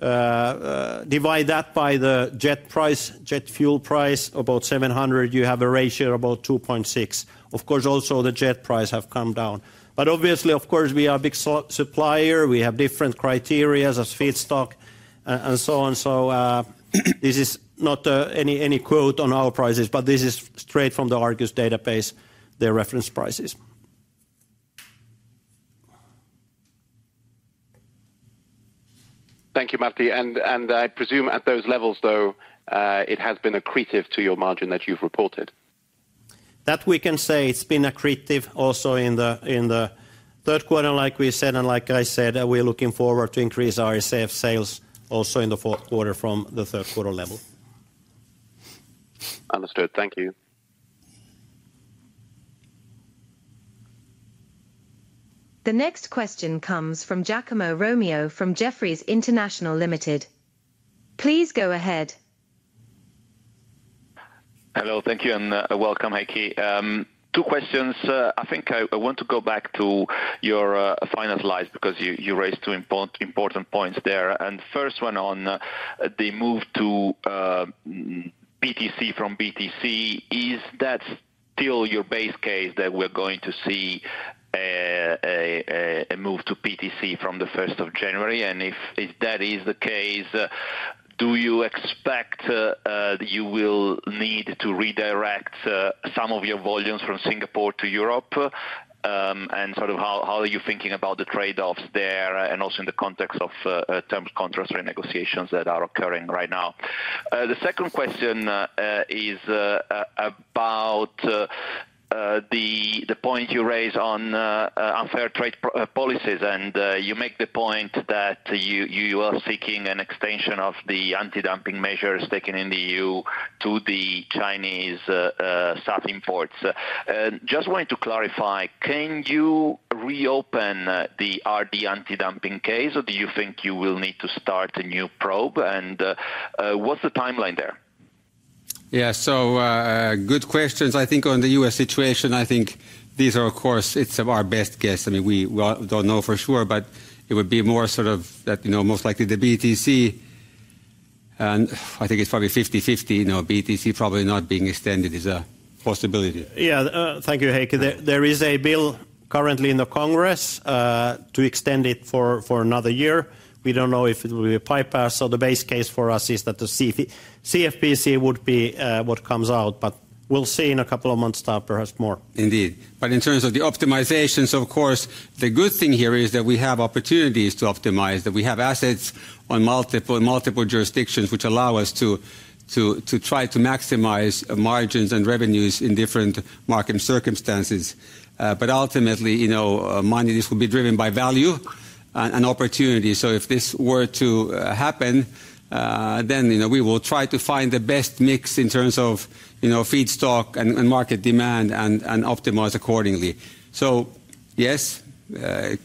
divide that by the jet price, jet fuel price, about seven hundred, you have a ratio of about two point six. Of course, also the jet price have come down. But obviously, of course, we are a big supplier. We have different criteria as feedstock and so on. So, this is not any quote on our prices, but this is straight from the Argus database, their reference prices. Thank you, Martti. And I presume at those levels, though, it has been accretive to your margin that you've reported? That we can say, it's been accretive also in the third quarter, like we said, and like I said, we're looking forward to increase our SAF sales also in the fourth quarter from the third quarter level. Understood. Thank you. The next question comes from Giacomo Romeo, from Jefferies International Limited. Please go ahead. Hello, thank you, and welcome, Heikki. Two questions. I think I want to go back to your final slides, because you raised two important points there. First one on the move to PTC from BTC. Is that still your base case that we're going to see a move to PTC from the first of January? And if that is the case, do you expect you will need to redirect some of your volumes from Singapore to Europe? And sort of how are you thinking about the trade-offs there, and also in the context of term contract renegotiations that are occurring right now? The second question is about the point you raised on unfair trade policies. And, you make the point that you are seeking an extension of the anti-dumping measures taken in the EU to the Chinese SAF imports. Just wanted to clarify, can you reopen the RD anti-dumping case, or do you think you will need to start a new probe? And, what's the timeline there? Yeah, so, good questions. I think on the U.S. situation, I think these are, of course, it's our best guess. I mean, we don't know for sure, but it would be more sort of that, you know, most likely the BTC, and I think it's probably fifty/fifty. You know, BTC probably not being extended is a possibility. Yeah. Thank you, Heikki. Thank you. There is a bill currently in the Congress to extend it for another year. We don't know if it will be a bypass, so the base case for us is that the CFPC would be what comes out, but we'll see in a couple of months time, perhaps more. Indeed. But in terms of the optimization, so of course, the good thing here is that we have opportunities to optimize, that we have assets on multiple jurisdictions, which allow us to try to maximize margins and revenues in different market circumstances. But ultimately, you know, this will be driven by value and opportunity. So if this were to happen, then, you know, we will try to find the best mix in terms of, you know, feedstock and market demand, and optimize accordingly. So yes, there's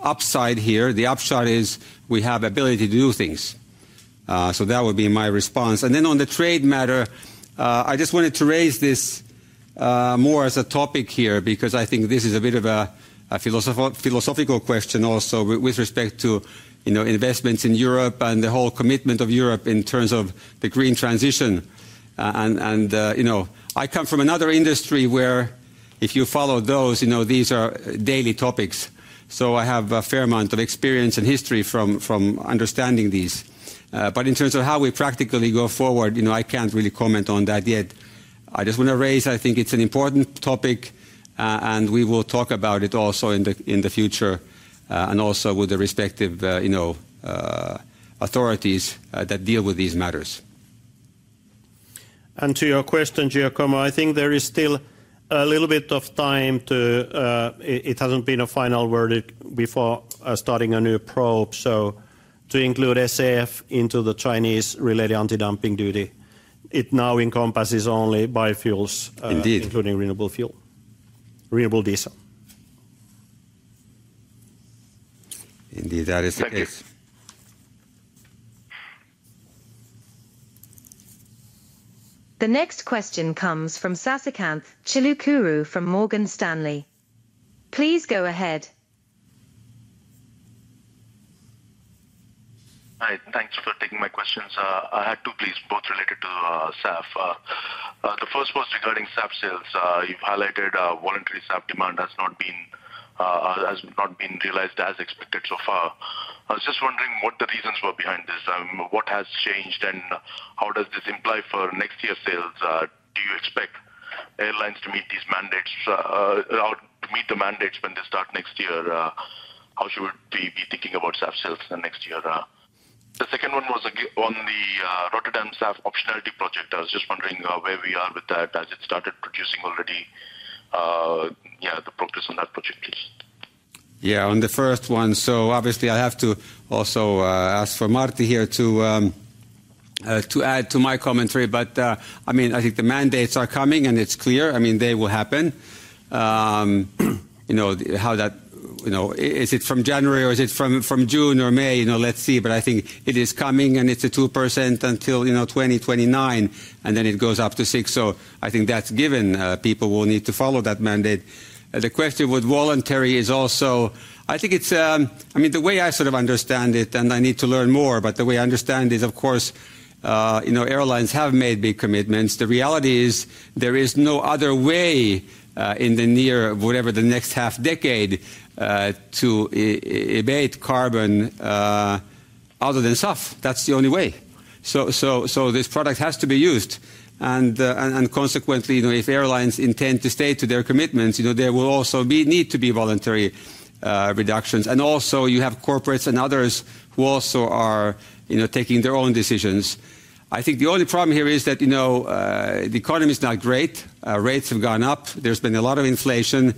upside here. The upside is we have ability to do things. So that would be my response. Then on the trade matter, I just wanted to raise this more as a topic here, because I think this is a bit of a philosophical question also, with respect to, you know, investments in Europe and the whole commitment of Europe in terms of the green transition. You know, I come from another industry where if you follow those, you know, these are daily topics. So I have a fair amount of experience and history from understanding these. But in terms of how we practically go forward, you know, I can't really comment on that yet. I just wanna raise. I think it's an important topic, and we will talk about it also in the future, and also with the respective, you know, authorities that deal with these matters. To your question, Giacomo, I think there is still a little bit of time. It hasn't been a final verdict before starting a new probe. To include SAF into the Chinese-related anti-dumping duty, it now encompasses only biofuels. Indeed... including renewable fuel, renewable diesel. Indeed, that is the case. Thank you. The next question comes from Sasikanth Chilukuru, from Morgan Stanley. Please go ahead. Hi, thanks for taking my questions. I had two, please, both related to SAF. The first was regarding SAF sales. You've highlighted voluntary SAF demand has not been realized as expected so far. I was just wondering what the reasons were behind this, what has changed, and how does this imply for next year's sales? Do you expect airlines to meet these mandates or to meet the mandates when they start next year? How should we be thinking about SAF sales in the next year? The second one was on the Rotterdam SAF optionality project. I was just wondering where we are with that, as it started producing already. Yeah, the progress on that project, please? Yeah, on the first one, so obviously I have to also ask for Martti here to add to my commentary. But, I mean, I think the mandates are coming, and it's clear. I mean, they will happen. You know, how that- you know, is it from January or is it from, from June or May? You know, let's see. But I think it is coming, and it's a 2% until, you know, 2029, and then it goes up to 6%. So I think that's given, people will need to follow that mandate. The question with voluntary is also... I think it's, I mean, the way I sort of understand it, and I need to learn more, but the way I understand is, of course, you know, airlines have made big commitments. The reality is, there is no other way, in the near, whatever, the next half decade, to abate carbon, other than SAF. That's the only way. So this product has to be used. And consequently, you know, if airlines intend to stay to their commitments, you know, there will also be need to be voluntary, reductions. And also, you have corporates and others who also are, you know, taking their own decisions. I think the only problem here is that, you know, the economy is not great, rates have gone up. There's been a lot of inflation,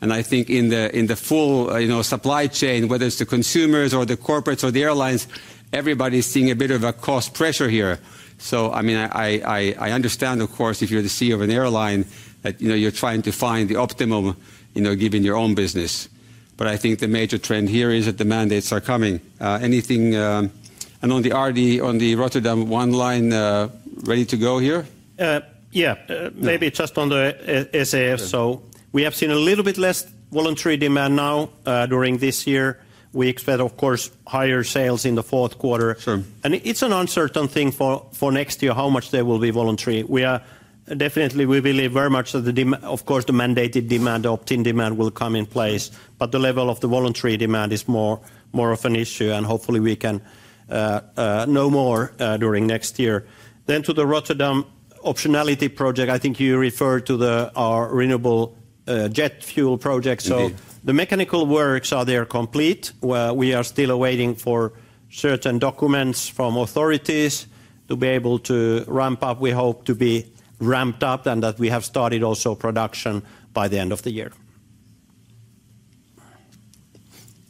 and I think in the full, you know, supply chain, whether it's the consumers or the corporates or the airlines, everybody's seeing a bit of a cost pressure here. So I mean, I understand, of course, if you're the CEO of an airline, that, you know, you're trying to find the optimum, you know, given your own business. But I think the major trend here is that the mandates are coming. And on the RD, on the Rotterdam one line, ready to go here? Uh, yeah. Yeah. Maybe just on the SAF. Yeah. We have seen a little bit less voluntary demand now, during this year. We expect, of course, higher sales in the fourth quarter. Sure. And it's an uncertain thing for next year, how much there will be voluntary. Definitely, we believe very much that. Of course, the mandated demand, the opt-in demand will come in place, but the level of the voluntary demand is more of an issue, and hopefully we can know more during next year. Then to the Rotterdam optionality project, I think you referred to the our renewable jet fuel project. Indeed. So the mechanical works are there, complete. We are still waiting for certain documents from authorities to be able to ramp up. We hope to be ramped up, and that we have started also production by the end of the year.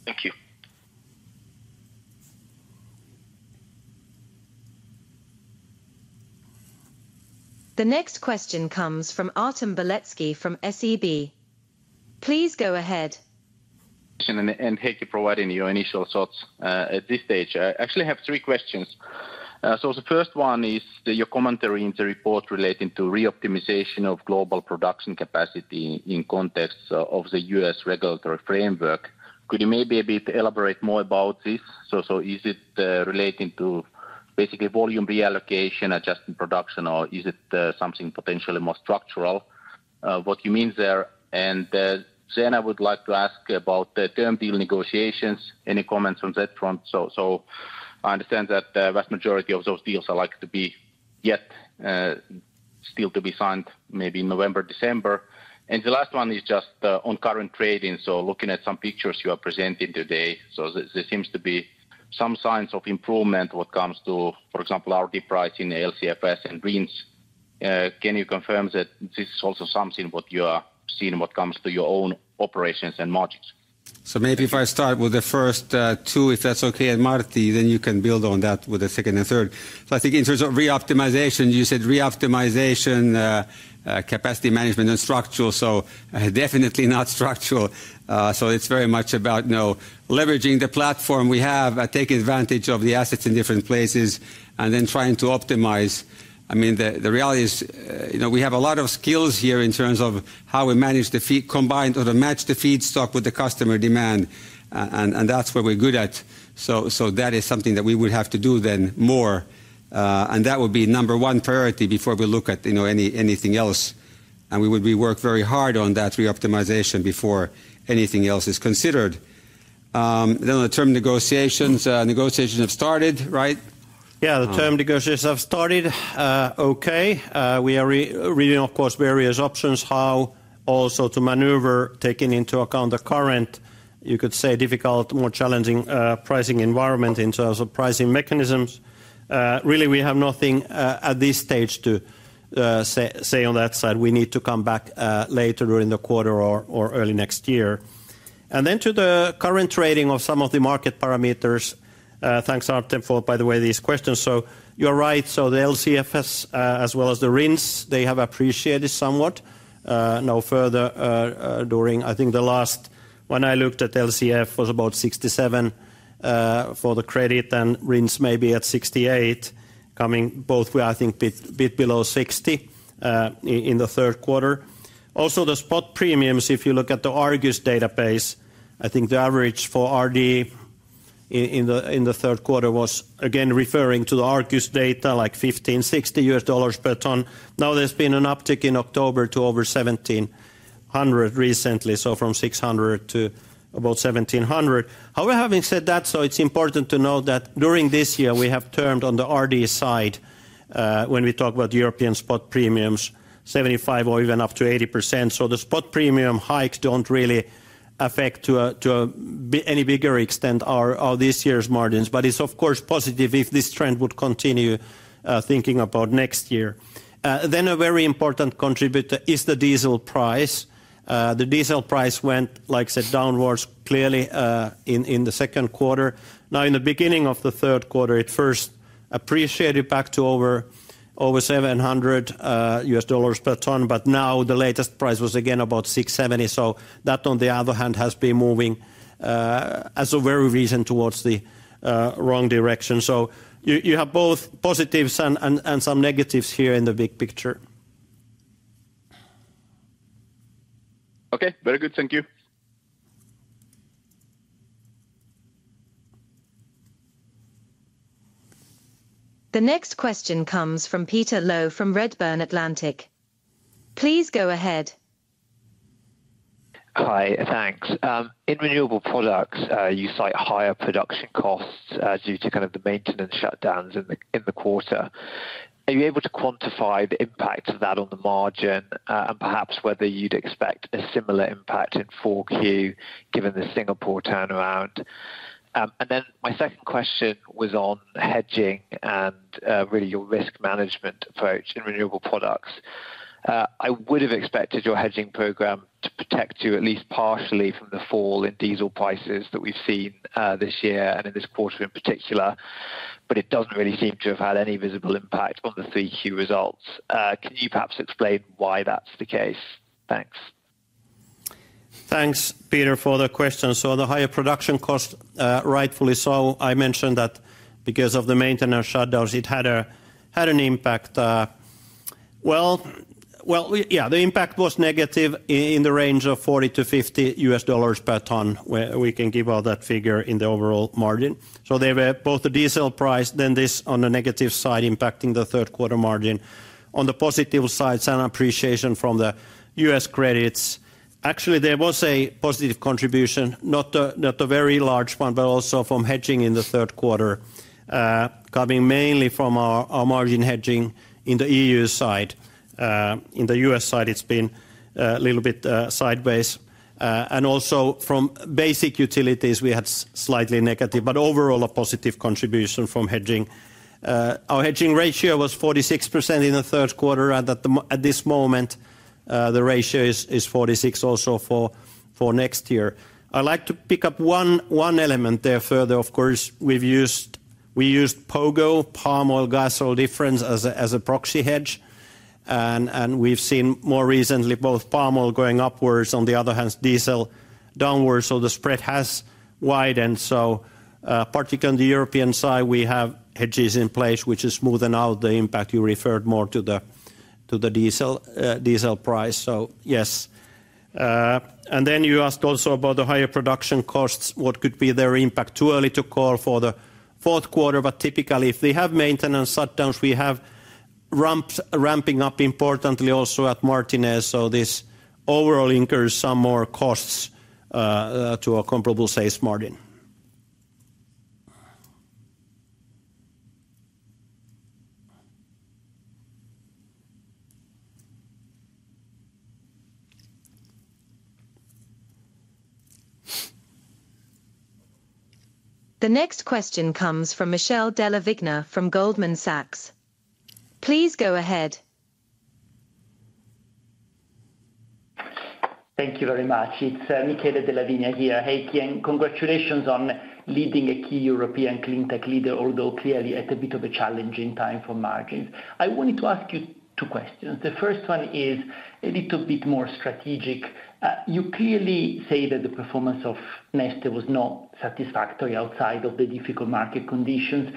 Thank you. The next question comes from Artem Beletski from SEB. Please go ahead.... And thank you for providing your initial thoughts. At this stage, I actually have three questions. So the first one is your commentary in the report relating to reoptimization of global production capacity in context of the US regulatory framework. Could you maybe a bit elaborate more about this? So is it relating to basically volume reallocation, adjusting production, or is it something potentially more structural, what you mean there? And then I would like to ask about the term deal negotiations. Any comments on that front? So I understand that the vast majority of those deals are likely to be yet still to be signed, maybe November, December. And the last one is just on current trading. So looking at some pictures you are presenting today, so there, there seems to be some signs of improvement when it comes to, for example, RD pricing, LCFS, and RINs. Can you confirm that this is also something what you are seeing when it comes to your own operations and margins? Maybe if I start with the first two, if that's okay, and Martti, then you can build on that with the second and third. I think in terms of reoptimization, you said reoptimization, capacity management and structural. Definitely not structural. It's very much about, you know, leveraging the platform we have, taking advantage of the assets in different places, and then trying to optimize. I mean, the reality is, you know, we have a lot of skills here in terms of how we manage the feedstock, to combine or to match the feedstock with the customer demand. And that's what we're good at. That is something that we would have to do then more, and that would be number one priority before we look at, you know, anything else. We would work very hard on that reoptimization before anything else is considered. Then the term negotiations. Negotiations have started, right? Yeah, the term negotiations have started, okay. We are rereading, of course, various options, how also to maneuver, taking into account the current, you could say, difficult, more challenging, pricing environment in terms of pricing mechanisms. Really, we have nothing at this stage to say on that side. We need to come back later during the quarter or early next year. And then to the current trading of some of the market parameters, thanks, Artem, for, by the way, these questions. So you're right. So the LCFS, as well as the RINs, they have appreciated somewhat, now further, during. I think the last one I looked at LCFS was about 67 for the credit and RINs maybe at 68, coming both way, I think, bit below 60 in the third quarter. Also, the spot premiums, if you look at the Argus database, I think the average for RD in the third quarter was, again, referring to the Argus data, like $1,560 per ton. Now, there's been an uptick in October to over $1,700 recently, so from $600 to about $1,700. However, having said that, so it's important to note that during this year, we have termed on the RD side, when we talk about European spot premiums, 75% or even up to 80%. So the spot premium hikes don't really affect to any bigger extent our this year's margins. But it's of course positive if this trend would continue, thinking about next year. Then a very important contributor is the diesel price. The diesel price went, like I said, downwards clearly in the second quarter. Now, in the beginning of the third quarter, it first appreciated back to over $700 per ton, but now the latest price was again about $670. So that, on the other hand, has been moving as of very recent towards the wrong direction. So you have both positives and some negatives here in the big picture. Okay, very good. Thank you. The next question comes from Peter Low from Redburn Atlantic. Please go ahead. Hi, thanks. In renewable products, you cite higher production costs, due to kind of the maintenance shutdowns in the quarter. Are you able to quantify the impact of that on the margin, and perhaps whether you'd expect a similar impact in Q4, given the Singapore turnaround? And then my second question was on hedging and, really your risk management approach in renewable products. I would have expected your hedging program to protect you at least partially from the fall in diesel prices that we've seen, this year and in this quarter in particular, but it doesn't really seem to have had any visible impact on the Q3 results. Can you perhaps explain why that's the case? Thanks. Thanks, Peter, for the question. So the higher production cost, rightfully so, I mentioned that because of the maintenance shutdowns, it had an impact. Well, the impact was negative in the range of $40-$50 per ton, where we can give out that figure in the overall margin. So there were both the diesel price, then this on the negative side, impacting the third quarter margin. On the positive side, some appreciation from the U.S. credits. Actually, there was a positive contribution, not a very large one, but also from hedging in the third quarter, coming mainly from our margin hedging in the E.U. side. In the U.S. side, it's been a little bit sideways. And also from basic utilities, we had slightly negative, but overall, a positive contribution from hedging. Our hedging ratio was 46% in the third quarter, and at this moment, the ratio is 46% also for next year. I'd like to pick up one element there further. Of course, we used POGO, Palm Oil Gasoil Spread, as a proxy hedge, and we've seen more recently, both palm oil going upwards, on the other hand, diesel downwards, so the spread has widened. Particularly on the European side, we have hedges in place, which is smoothing out the impact. You referred more to the diesel price. Yes. And then you asked also about the higher production costs, what could be their impact? Too early to call for the fourth quarter, but typically, if we have maintenance shutdowns, we have ramping up importantly also at Martinez, so this overall incurs some more costs to our comparable sales margin. The next question comes from Michele Della Vigna from Goldman Sachs. Please go ahead. Thank you very much. It's Michele Della Vigna here. Hey, and congratulations on leading a key European clean tech leader, although clearly at a bit of a challenging time for margins. I wanted to ask you two questions. The first one is a little bit more strategic. You clearly say that the performance of Neste was not satisfactory outside of the difficult market conditions.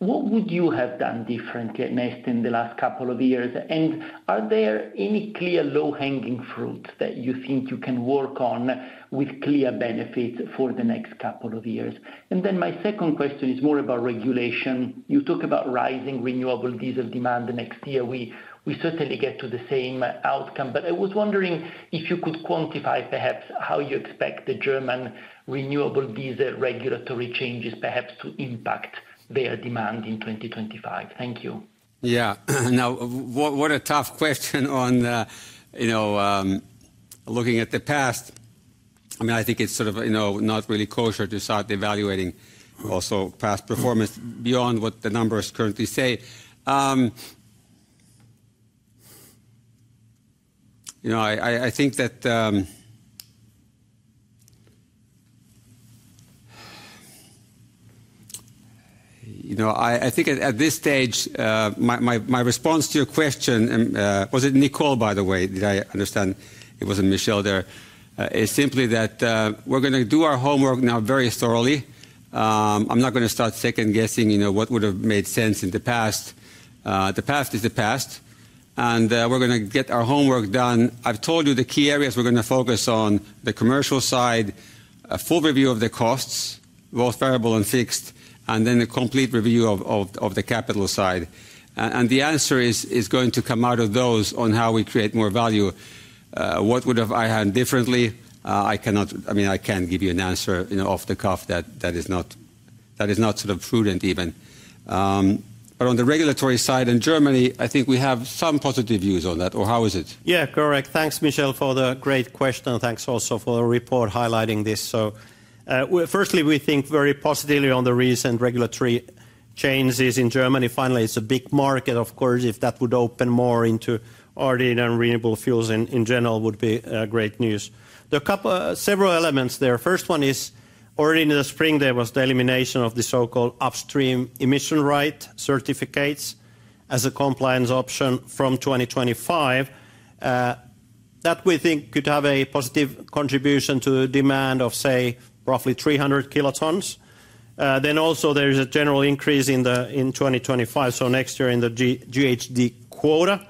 What would you have done differently at Neste in the last couple of years? And are there any clear low-hanging fruit that you think you can work on with clear benefits for the next couple of years? And then my second question is more about regulation. You talk about rising renewable diesel demand the next year. We certainly get to the same outcome, but I was wondering if you could quantify perhaps how you expect the German renewable diesel regulatory changes perhaps to impact their demand in 2025? Thank you. Yeah. Now, what a tough question on, you know, looking at the past. I mean, I think it's sort of, you know, not really kosher to start evaluating also past performance beyond what the numbers currently say. You know, I think that... You know, I think at this stage, my response to your question, and, was it Nicole, by the way? Did I understand it wasn't Michele there? is simply that, we're gonna do our homework now very thoroughly. I'm not gonna start second-guessing, you know, what would have made sense in the past. The past is the past, and, we're gonna get our homework done. I've told you the key areas we're gonna focus on: the commercial side, a full review of the costs, both variable and fixed, and then a complete review of the capital side. And the answer is going to come out of those on how we create more value. What would have I done differently? I mean, I can't give you an answer, you know, off the cuff that is not sort of prudent even. But on the regulatory side, in Germany, I think we have some positive views on that, or how is it? Yeah, correct. Thanks, Michele, for the great question, and thanks also for the report highlighting this. So, well, firstly, we think very positively on the recent regulatory changes in Germany. Finally, it's a big market, of course, if that would open more into already the renewable fuels in general, would be great news. There are several elements there. First one is, already in the spring, there was the elimination of the so-called upstream emission right certificates as a compliance option from 2025, that we think could have a positive contribution to demand of, say, roughly 300 kilotons. Then also there is a general increase in 2025, so next year in the GHG quota.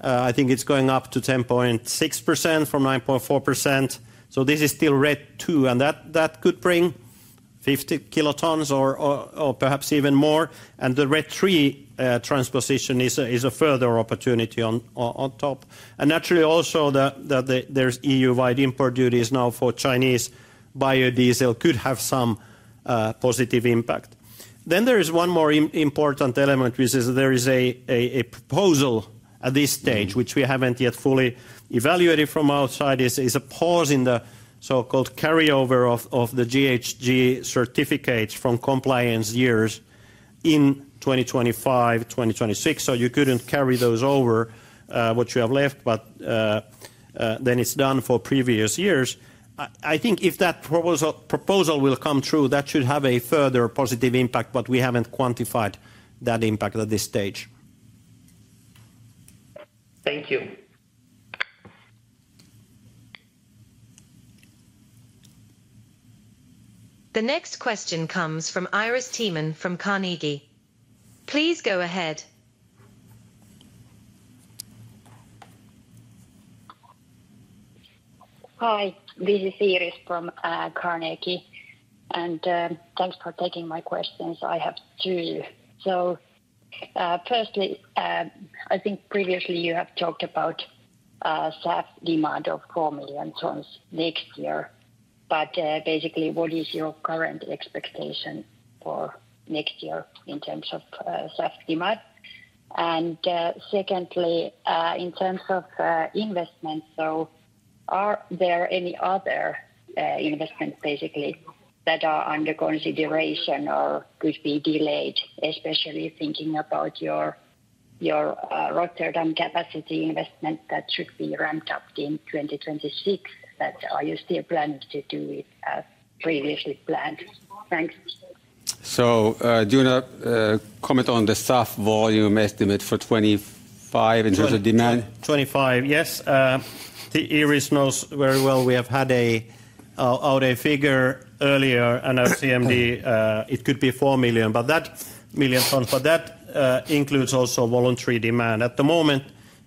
I think it's going up to 10.6% from 9.4%, so this is still RED II, and that could bring 50 kilotons or perhaps even more. And the RED III transposition is a further opportunity on top. And naturally also there's EU-wide import duties now for Chinese biodiesel could have some positive impact. Then there is one more important element, which is there is a proposal at this stage, which we haven't yet fully evaluated from our side, is a pause in the so-called carryover of the GHG certificates from compliance years in 2025, 2026. So you couldn't carry those over what you have left, but then it's done for previous years. I think if that proposal will come true, that should have a further positive impact, but we haven't quantified that impact at this stage. Thank you. The next question comes from Iiris Theman from Carnegie. Please go ahead. Hi, this is Iiris from Carnegie, and thanks for taking my questions. I have two. So, firstly, I think previously you have talked about SAF demand of four million tons next year, but basically, what is your current expectation for next year in terms of SAF demand? And secondly, in terms of investment, so are there any other investments basically that are under consideration or could be delayed, especially thinking about your, your Rotterdam capacity investment that should be ramped up in 2026? But are you still planning to do it as previously planned? Thanks. Do you want to comment on the SAF volume estimate for 2025 in terms of demand? 2025, yes. I think Iiris knows very well we have had our figure earlier, and our CMD, it could be four million. But that four million tons includes also voluntary demand. At the moment,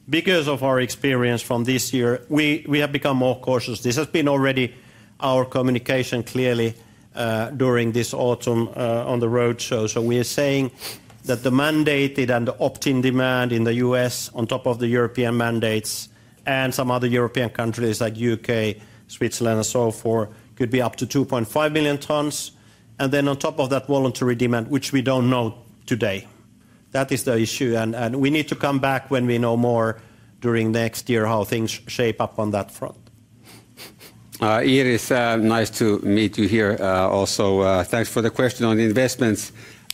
because of our experience from this year, we have become more cautious. This has been already our communication clearly during this autumn on the road show. So we are saying that the mandated and the opt-in demand in the U.S. on top of the European mandates and some other European countries like U.K., Switzerland, and so forth, could be up to 2.5 million tons, and then on top of that, voluntary demand, which we don't know today. That is the issue, and we need to come back when we know more during next year, how things shape up on that front. Iiris, nice to meet you here. Also, thanks for the question on the investments,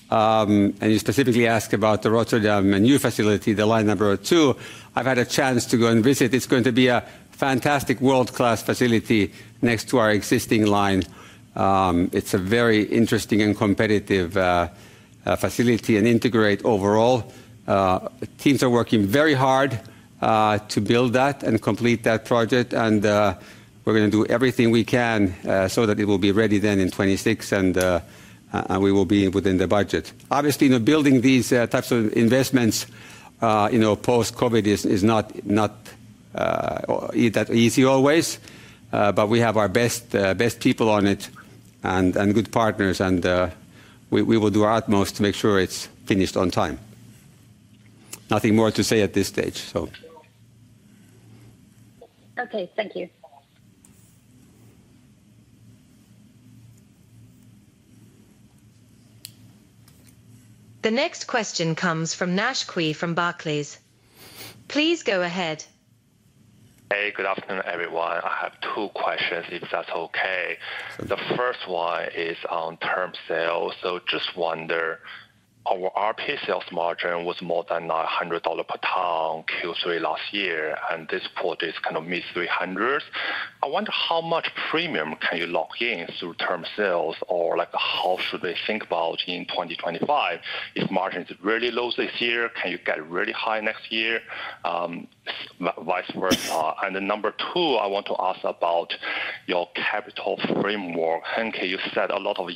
and you specifically asked about the Rotterdam and new facility, the line number two. I've had a chance to go and visit. It's going to be a fantastic world-class facility next to our existing line. It's a very interesting and competitive facility and integrated overall. Teams are working very hard to build that and complete that project, and we're gonna do everything we can so that it will be ready then in twenty twenty-six, and we will be within the budget. Obviously, in building these types of investments, you know, post-COVID is not that easy always, but we have our best people on it and good partners, and we will do our utmost to make sure it's finished on time. Nothing more to say at this stage, so... Okay, thank you. The next question comes from Joshua Stone from Barclays. Please go ahead. Hey, good afternoon, everyone. I have two questions, if that's okay. Sure. The first one is on term sales. So just wonder, our RP sales margin was more than $100 per ton, Q3 last year, and this quarter is kind of mid-$300s. I wonder how much premium can you lock in through term sales, or like, how should they think about in 2025? If margins are really low this year, can you get really high next year, vice versa? And then number two, I want to ask about your capital framework. Heikki, you said a lot of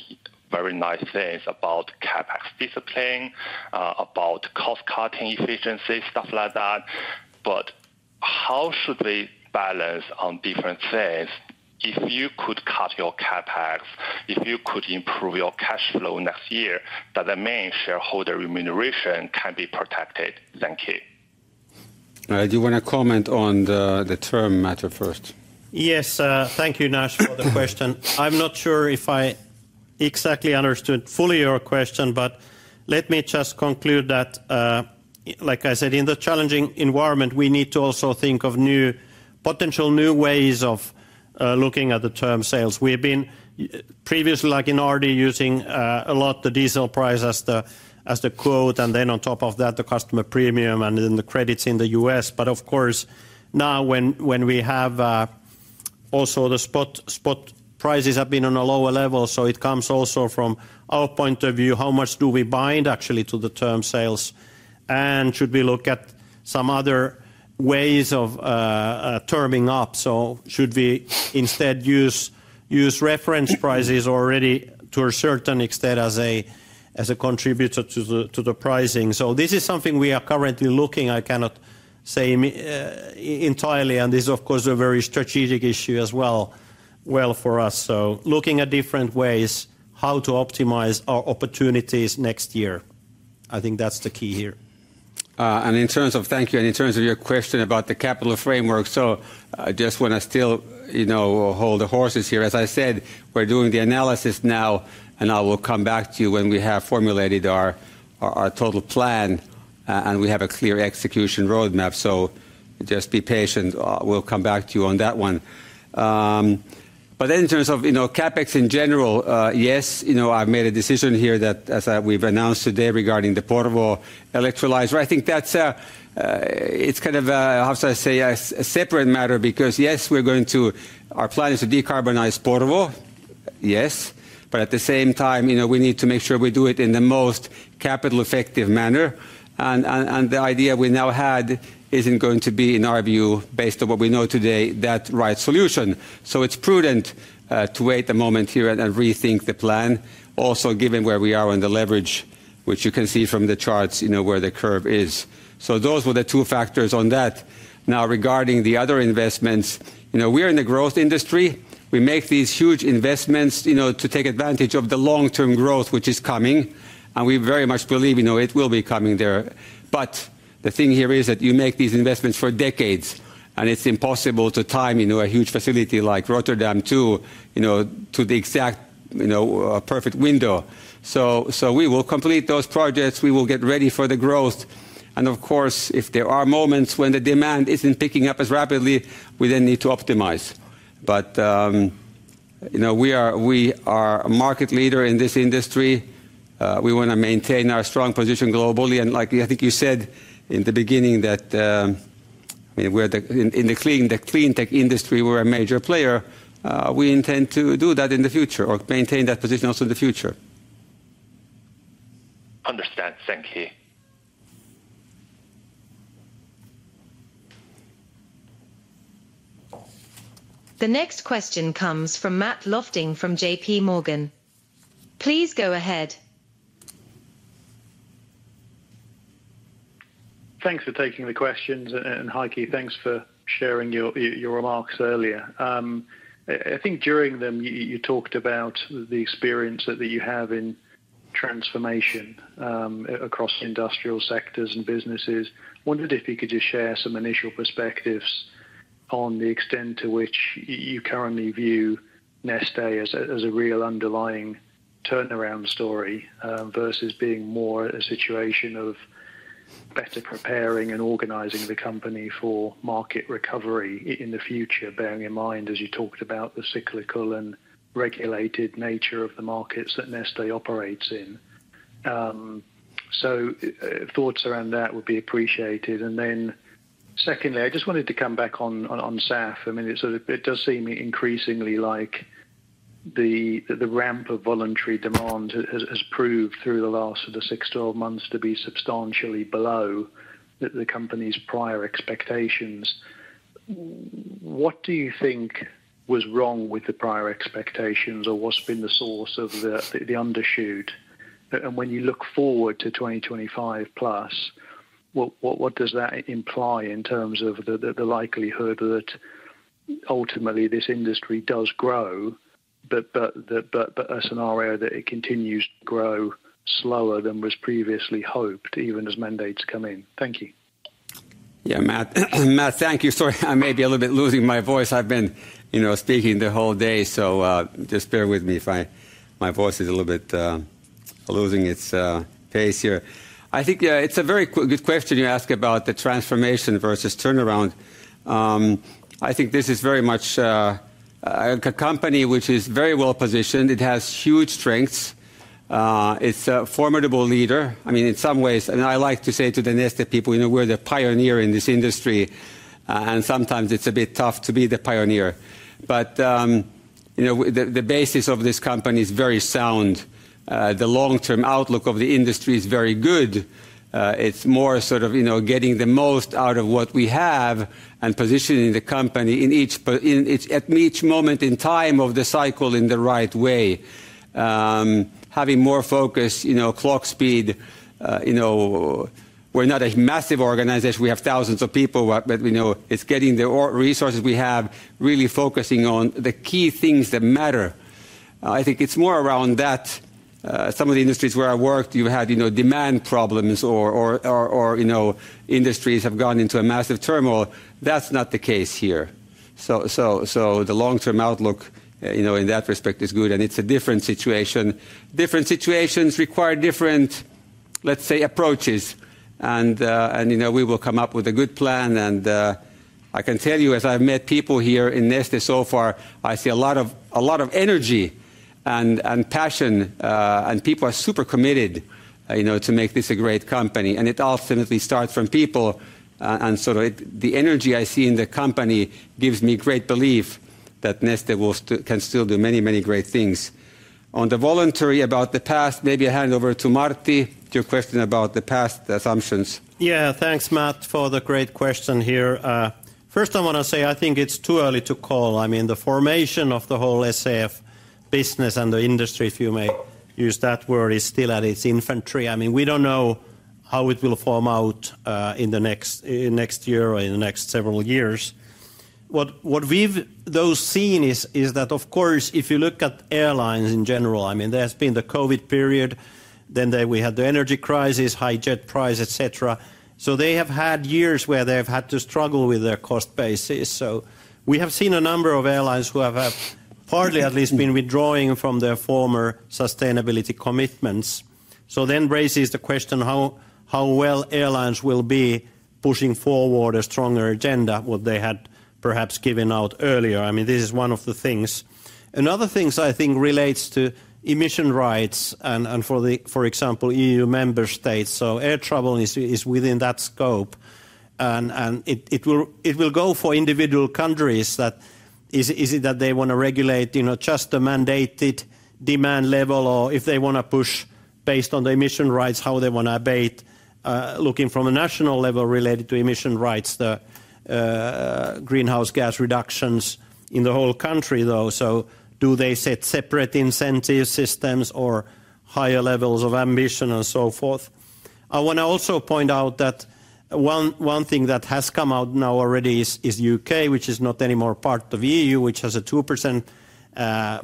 very nice things about CapEx discipline, about cost-cutting efficiency, stuff like that, but how should they balance on different things if you could cut your CapEx, if you could improve your cash flow next year, but the main shareholder remuneration can be protected? Thank you. Do you want to comment on the term matter first? Yes, thank you, Nash, for the question. I'm not sure if I exactly understood fully your question, but let me just conclude that, like I said, in the challenging environment, we need to also think of new potential new ways of looking at the term sales. We've been previously, like in RD, using a lot the diesel price as the quote, and then on top of that, the customer premium, and then the credits in the U.S. But of course, now, when we have also the spot prices have been on a lower level, so it comes also from our point of view, how much do we bind actually to the term sales? And should we look at some other ways of terming up? So should we instead use reference prices already to a certain extent as a contributor to the pricing? So this is something we are currently looking. I cannot say entirely, and this, of course, a very strategic issue as well, well, for us. So looking at different ways how to optimize our opportunities next year, I think that's the key here. And in terms of your question about the capital framework, so I just want to still, you know, hold the horses here. As I said, we're doing the analysis now, and I will come back to you when we have formulated our total plan, and we have a clear execution roadmap. So just be patient. We'll come back to you on that one, but then in terms of, you know, CapEx in general, yes, you know, I've made a decision here that, as we've announced today regarding the Porvoo electrolyzer, I think that's kind of, how should I say, a separate matter, because, yes, we're going to. Our plan is to decarbonize Porvoo, yes. But at the same time, you know, we need to make sure we do it in the most capital efficient manner. And the idea we now have isn't going to be, in our view, based on what we know today, the right solution. So it's prudent to wait a moment here and rethink the plan. Also, given where we are on the leverage, which you can see from the charts, you know, where the curve is. So those were the two factors on that. Now, regarding the other investments, you know, we're in a growth industry. We make these huge investments, you know, to take advantage of the long-term growth, which is coming, and we very much believe, you know, it will be coming there. But the thing here is that you make these investments for decades, and it's impossible to time, you know, a huge facility like Rotterdam to, you know, to the exact, you know, perfect window. So we will complete those projects, we will get ready for the growth, and of course, if there are moments when the demand isn't picking up as rapidly, we then need to optimize. But, you know, we are a market leader in this industry. We wanna maintain our strong position globally, and like, I think you said in the beginning that, I mean, we're the, in the clean tech industry, we're a major player. We intend to do that in the future or maintain that position also in the future. Understand. Thank you. The next question comes from Matt Lofting, from J.P. Morgan. Please go ahead. Thanks for taking the questions, and hi, Heikki, thanks for sharing your remarks earlier. I think during them, you talked about the experience that you have in transformation across industrial sectors and businesses. Wondered if you could just share some initial perspectives on the extent to which you currently view Neste as a real underlying turnaround story versus being more a situation of better preparing and organizing the company for market recovery in the future, bearing in mind, as you talked about, the cyclical and regulated nature of the markets that Neste operates in. So, thoughts around that would be appreciated. And then, secondly, I just wanted to come back on SAF. I mean, it sort of does seem increasingly like the ramp of voluntary demand has proved through the last sort of six to 12 months to be substantially below the company's prior expectations. What do you think was wrong with the prior expectations, or what's been the source of the undershoot? And when you look forward to twenty twenty-five plus, what does that imply in terms of the likelihood that ultimately this industry does grow, but a scenario that it continues to grow slower than was previously hoped, even as mandates come in? Thank you. Yeah, Matt. Matt, thank you. Sorry, I may be a little bit losing my voice. I've been, you know, speaking the whole day, so, just bear with me if my voice is a little bit losing its pace here. I think it's a very good question you ask about the transformation versus turnaround. I think this is very much a company which is very well positioned. It has huge strengths. It's a formidable leader. I mean, in some ways, and I like to say to the Neste people, you know, we're the pioneer in this industry, and sometimes it's a bit tough to be the pioneer. But, you know, the basis of this company is very sound. The long-term outlook of the industry is very good. It's more sort of, you know, getting the most out of what we have and positioning the company in each period at each moment in time of the cycle in the right way. Having more focus, you know, clock speed, you know, we're not a massive organization. We have thousands of people, but, you know, it's getting the resources we have, really focusing on the key things that matter. I think it's more around that. Some of the industries where I worked, you had, you know, demand problems or industries have gone into a massive turmoil. That's not the case here. So the long-term outlook, you know, in that respect, is good, and it's a different situation. Different situations require different, let's say, approaches, and, you know, we will come up with a good plan, and, I can tell you, as I've met people here in Neste so far, I see a lot of, a lot of energy and passion, and people are super committed, you know, to make this a great company. And it ultimately starts from people, and so the energy I see in the company gives me great belief that Neste will still, can still do many, many great things. On the voluntary, about the past, maybe I hand over to Martti, to your question about the past assumptions. Yeah, thanks, Matt, for the great question here. First, I wanna say I think it's too early to call. I mean, the formation of the whole SAF business and the industry, if you may use that word, is still at its infancy. I mean, we don't know how it will pan out in the next year or in the next several years. What we've seen is that, of course, if you look at airlines in general, I mean, there's been the COVID period, then we had the energy crisis, high jet prices, et cetera. So they have had years where they have had to struggle with their cost basis. So we have seen a number of airlines who have partly at least been withdrawing from their former sustainability commitments. So then raises the question, how well airlines will be pushing forward a stronger agenda, what they had perhaps given out earlier? I mean, this is one of the things. Another things I think relates to emission rights and for example, EU member states, so air travel is within that scope. And it will go for individual countries that is, is it that they wanna regulate, you know, just the mandated demand level, or if they wanna push based on the emission rights, how they wanna abate, looking from a national level related to emission rights, the greenhouse gas reductions in the whole country, though. So do they set separate incentive systems or higher levels of ambition and so forth? I wanna also point out that one thing that has come out now already is U.K., which is not anymore part of E.U., which has a 2%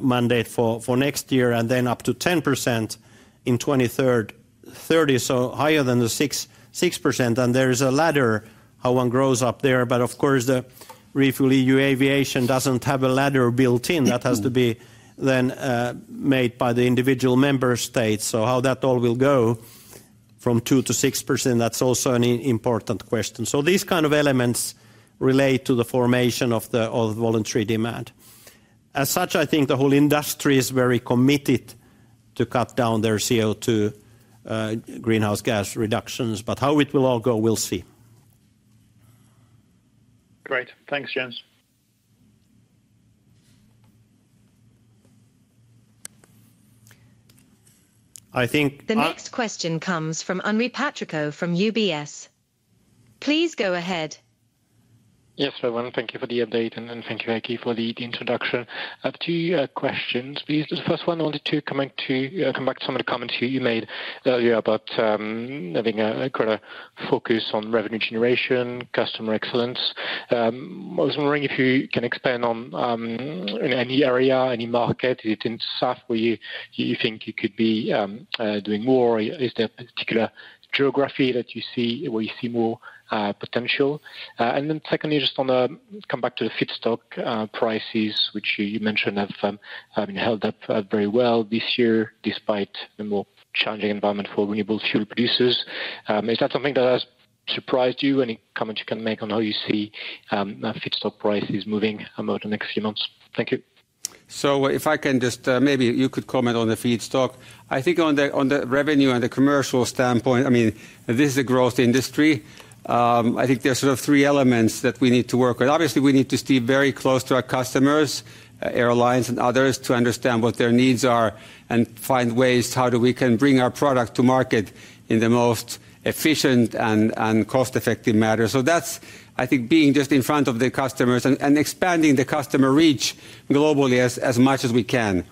mandate for next year, and then up to 10% in 2030, so higher than the 6%. And there is a ladder, how one grows up there. But of course, the RefuelEU Aviation doesn't have a ladder built in. Mm-hmm. That has to be then, made by the individual member states. So how that all will go from 2% to 6%, that's also an important question. So these kind of elements relate to the formation of voluntary demand. As such, I think the whole industry is very committed to cut down their CO2, greenhouse gas reductions, but how it will all go, we'll see. Great. Thanks, gents. I think- The next question comes from Henri Patricot from UBS. Please go ahead. Yes, everyone, thank you for the update, and then thank you, Heikki, for the introduction. I have two questions, please. The first one, I wanted to come back to some of the comments you made earlier about having a kinda focus on revenue generation, customer excellence. I was wondering if you can expand on any area, any market, is it in South where you think you could be doing more? Is there a particular geography that you see, where you see more potential? And then secondly, just on the come back to the feedstock prices, which you mentioned have been held up very well this year, despite the more challenging environment for renewable fuel producers. Is that something that has surprised you? Any comments you can make on how you see feedstock prices moving over the next few months? Thank you. So if I can just, maybe you could comment on the feedstock. I think on the revenue and the commercial standpoint, I mean, this is a growth industry. I think there's sort of three elements that we need to work on. Obviously, we need to stay very close to our customers, airlines and others, to understand what their needs are and find ways how do we can bring our product to market in the most efficient and cost-effective matter. So that's, I think, being just in front of the customers and expanding the customer reach globally as much as we can.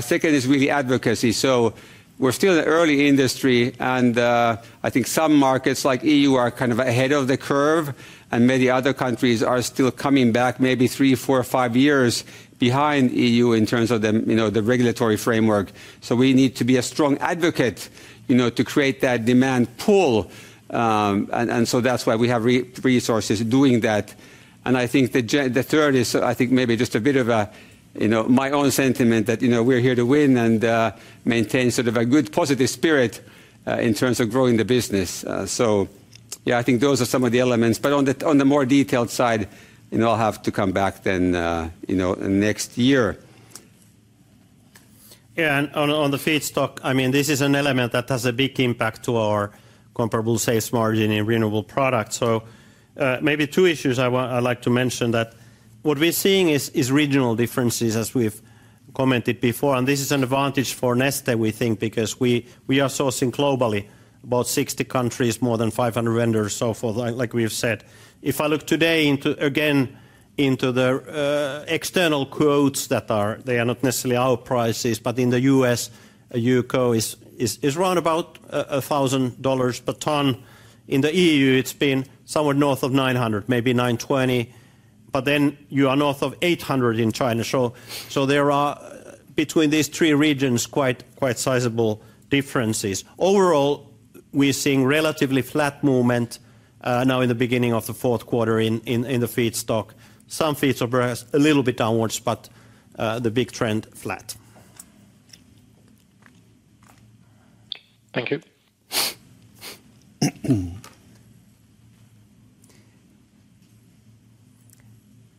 Second is really advocacy. So we're still in the early innings, and I think some markets like EU are kind of ahead of the curve, and many other countries are still catching up maybe three, four, or five years behind EU in terms of the, you know, the regulatory framework. So we need to be a strong advocate, you know, to create that demand pull, and so that's why we have our resources doing that. And I think the third is, I think maybe just a bit of a, you know, my own sentiment that, you know, we're here to win and maintain sort of a good, positive spirit in terms of growing the business. So yeah, I think those are some of the elements. But on the more detailed side, you know, I'll have to come back then, you know, next year. Yeah, and on the feedstock, I mean, this is an element that has a big impact to our comparable sales margin in renewable products. So, maybe two issues I'd like to mention that what we're seeing is regional differences, as we've commented before, and this is an advantage for Neste, we think, because we are sourcing globally, about 60 countries, more than 500 vendors, so forth, like we have said. If I look today into, again, the external quotes that are - they are not necessarily our prices, but in the US, UCO is around about $1,000 per ton. In the EU, it's been somewhere north of $900, maybe $920, but then you are north of $800 in China. So there are between these three regions quite sizable differences. Overall, we're seeing relatively flat movement now in the beginning of the fourth quarter in the feedstock. Some feedstocks are perhaps a little bit downwards, but the big trend, flat. Thank you.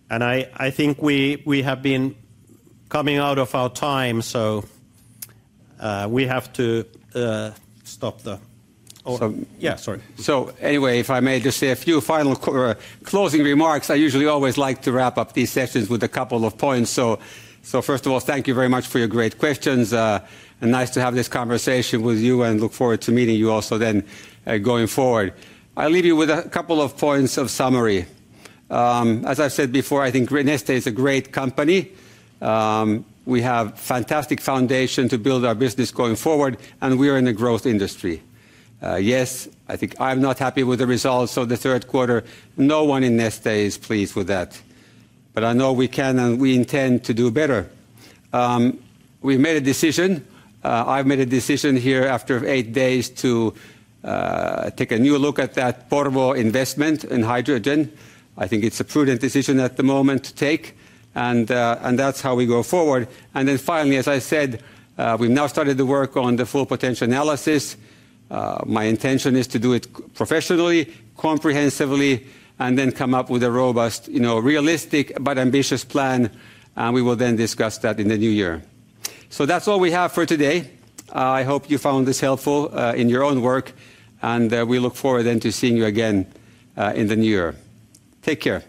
And I think we have been running out of time, so we have to stop the- So- Yeah, sorry. So anyway, if I may just say a few final closing remarks, I usually always like to wrap up these sessions with a couple of points. So first of all, thank you very much for your great questions, and nice to have this conversation with you, and look forward to meeting you also then, going forward. I'll leave you with a couple of points of summary. As I've said before, I think Neste is a great company. We have fantastic foundation to build our business going forward, and we are in a growth industry. Yes, I think I'm not happy with the results of the third quarter. No one in Neste is pleased with that, but I know we can and we intend to do better. We've made a decision. I've made a decision here after eight days to take a new look at that Porvoo investment in hydrogen. I think it's a prudent decision at the moment to take, and that's how we go forward. Then finally, as I said, we've now started the work on the full potential analysis. My intention is to do it professionally, comprehensively, and then come up with a robust, you know, realistic but ambitious plan, and we will then discuss that in the new year. So that's all we have for today. I hope you found this helpful in your own work, and we look forward then to seeing you again in the new year. Take care.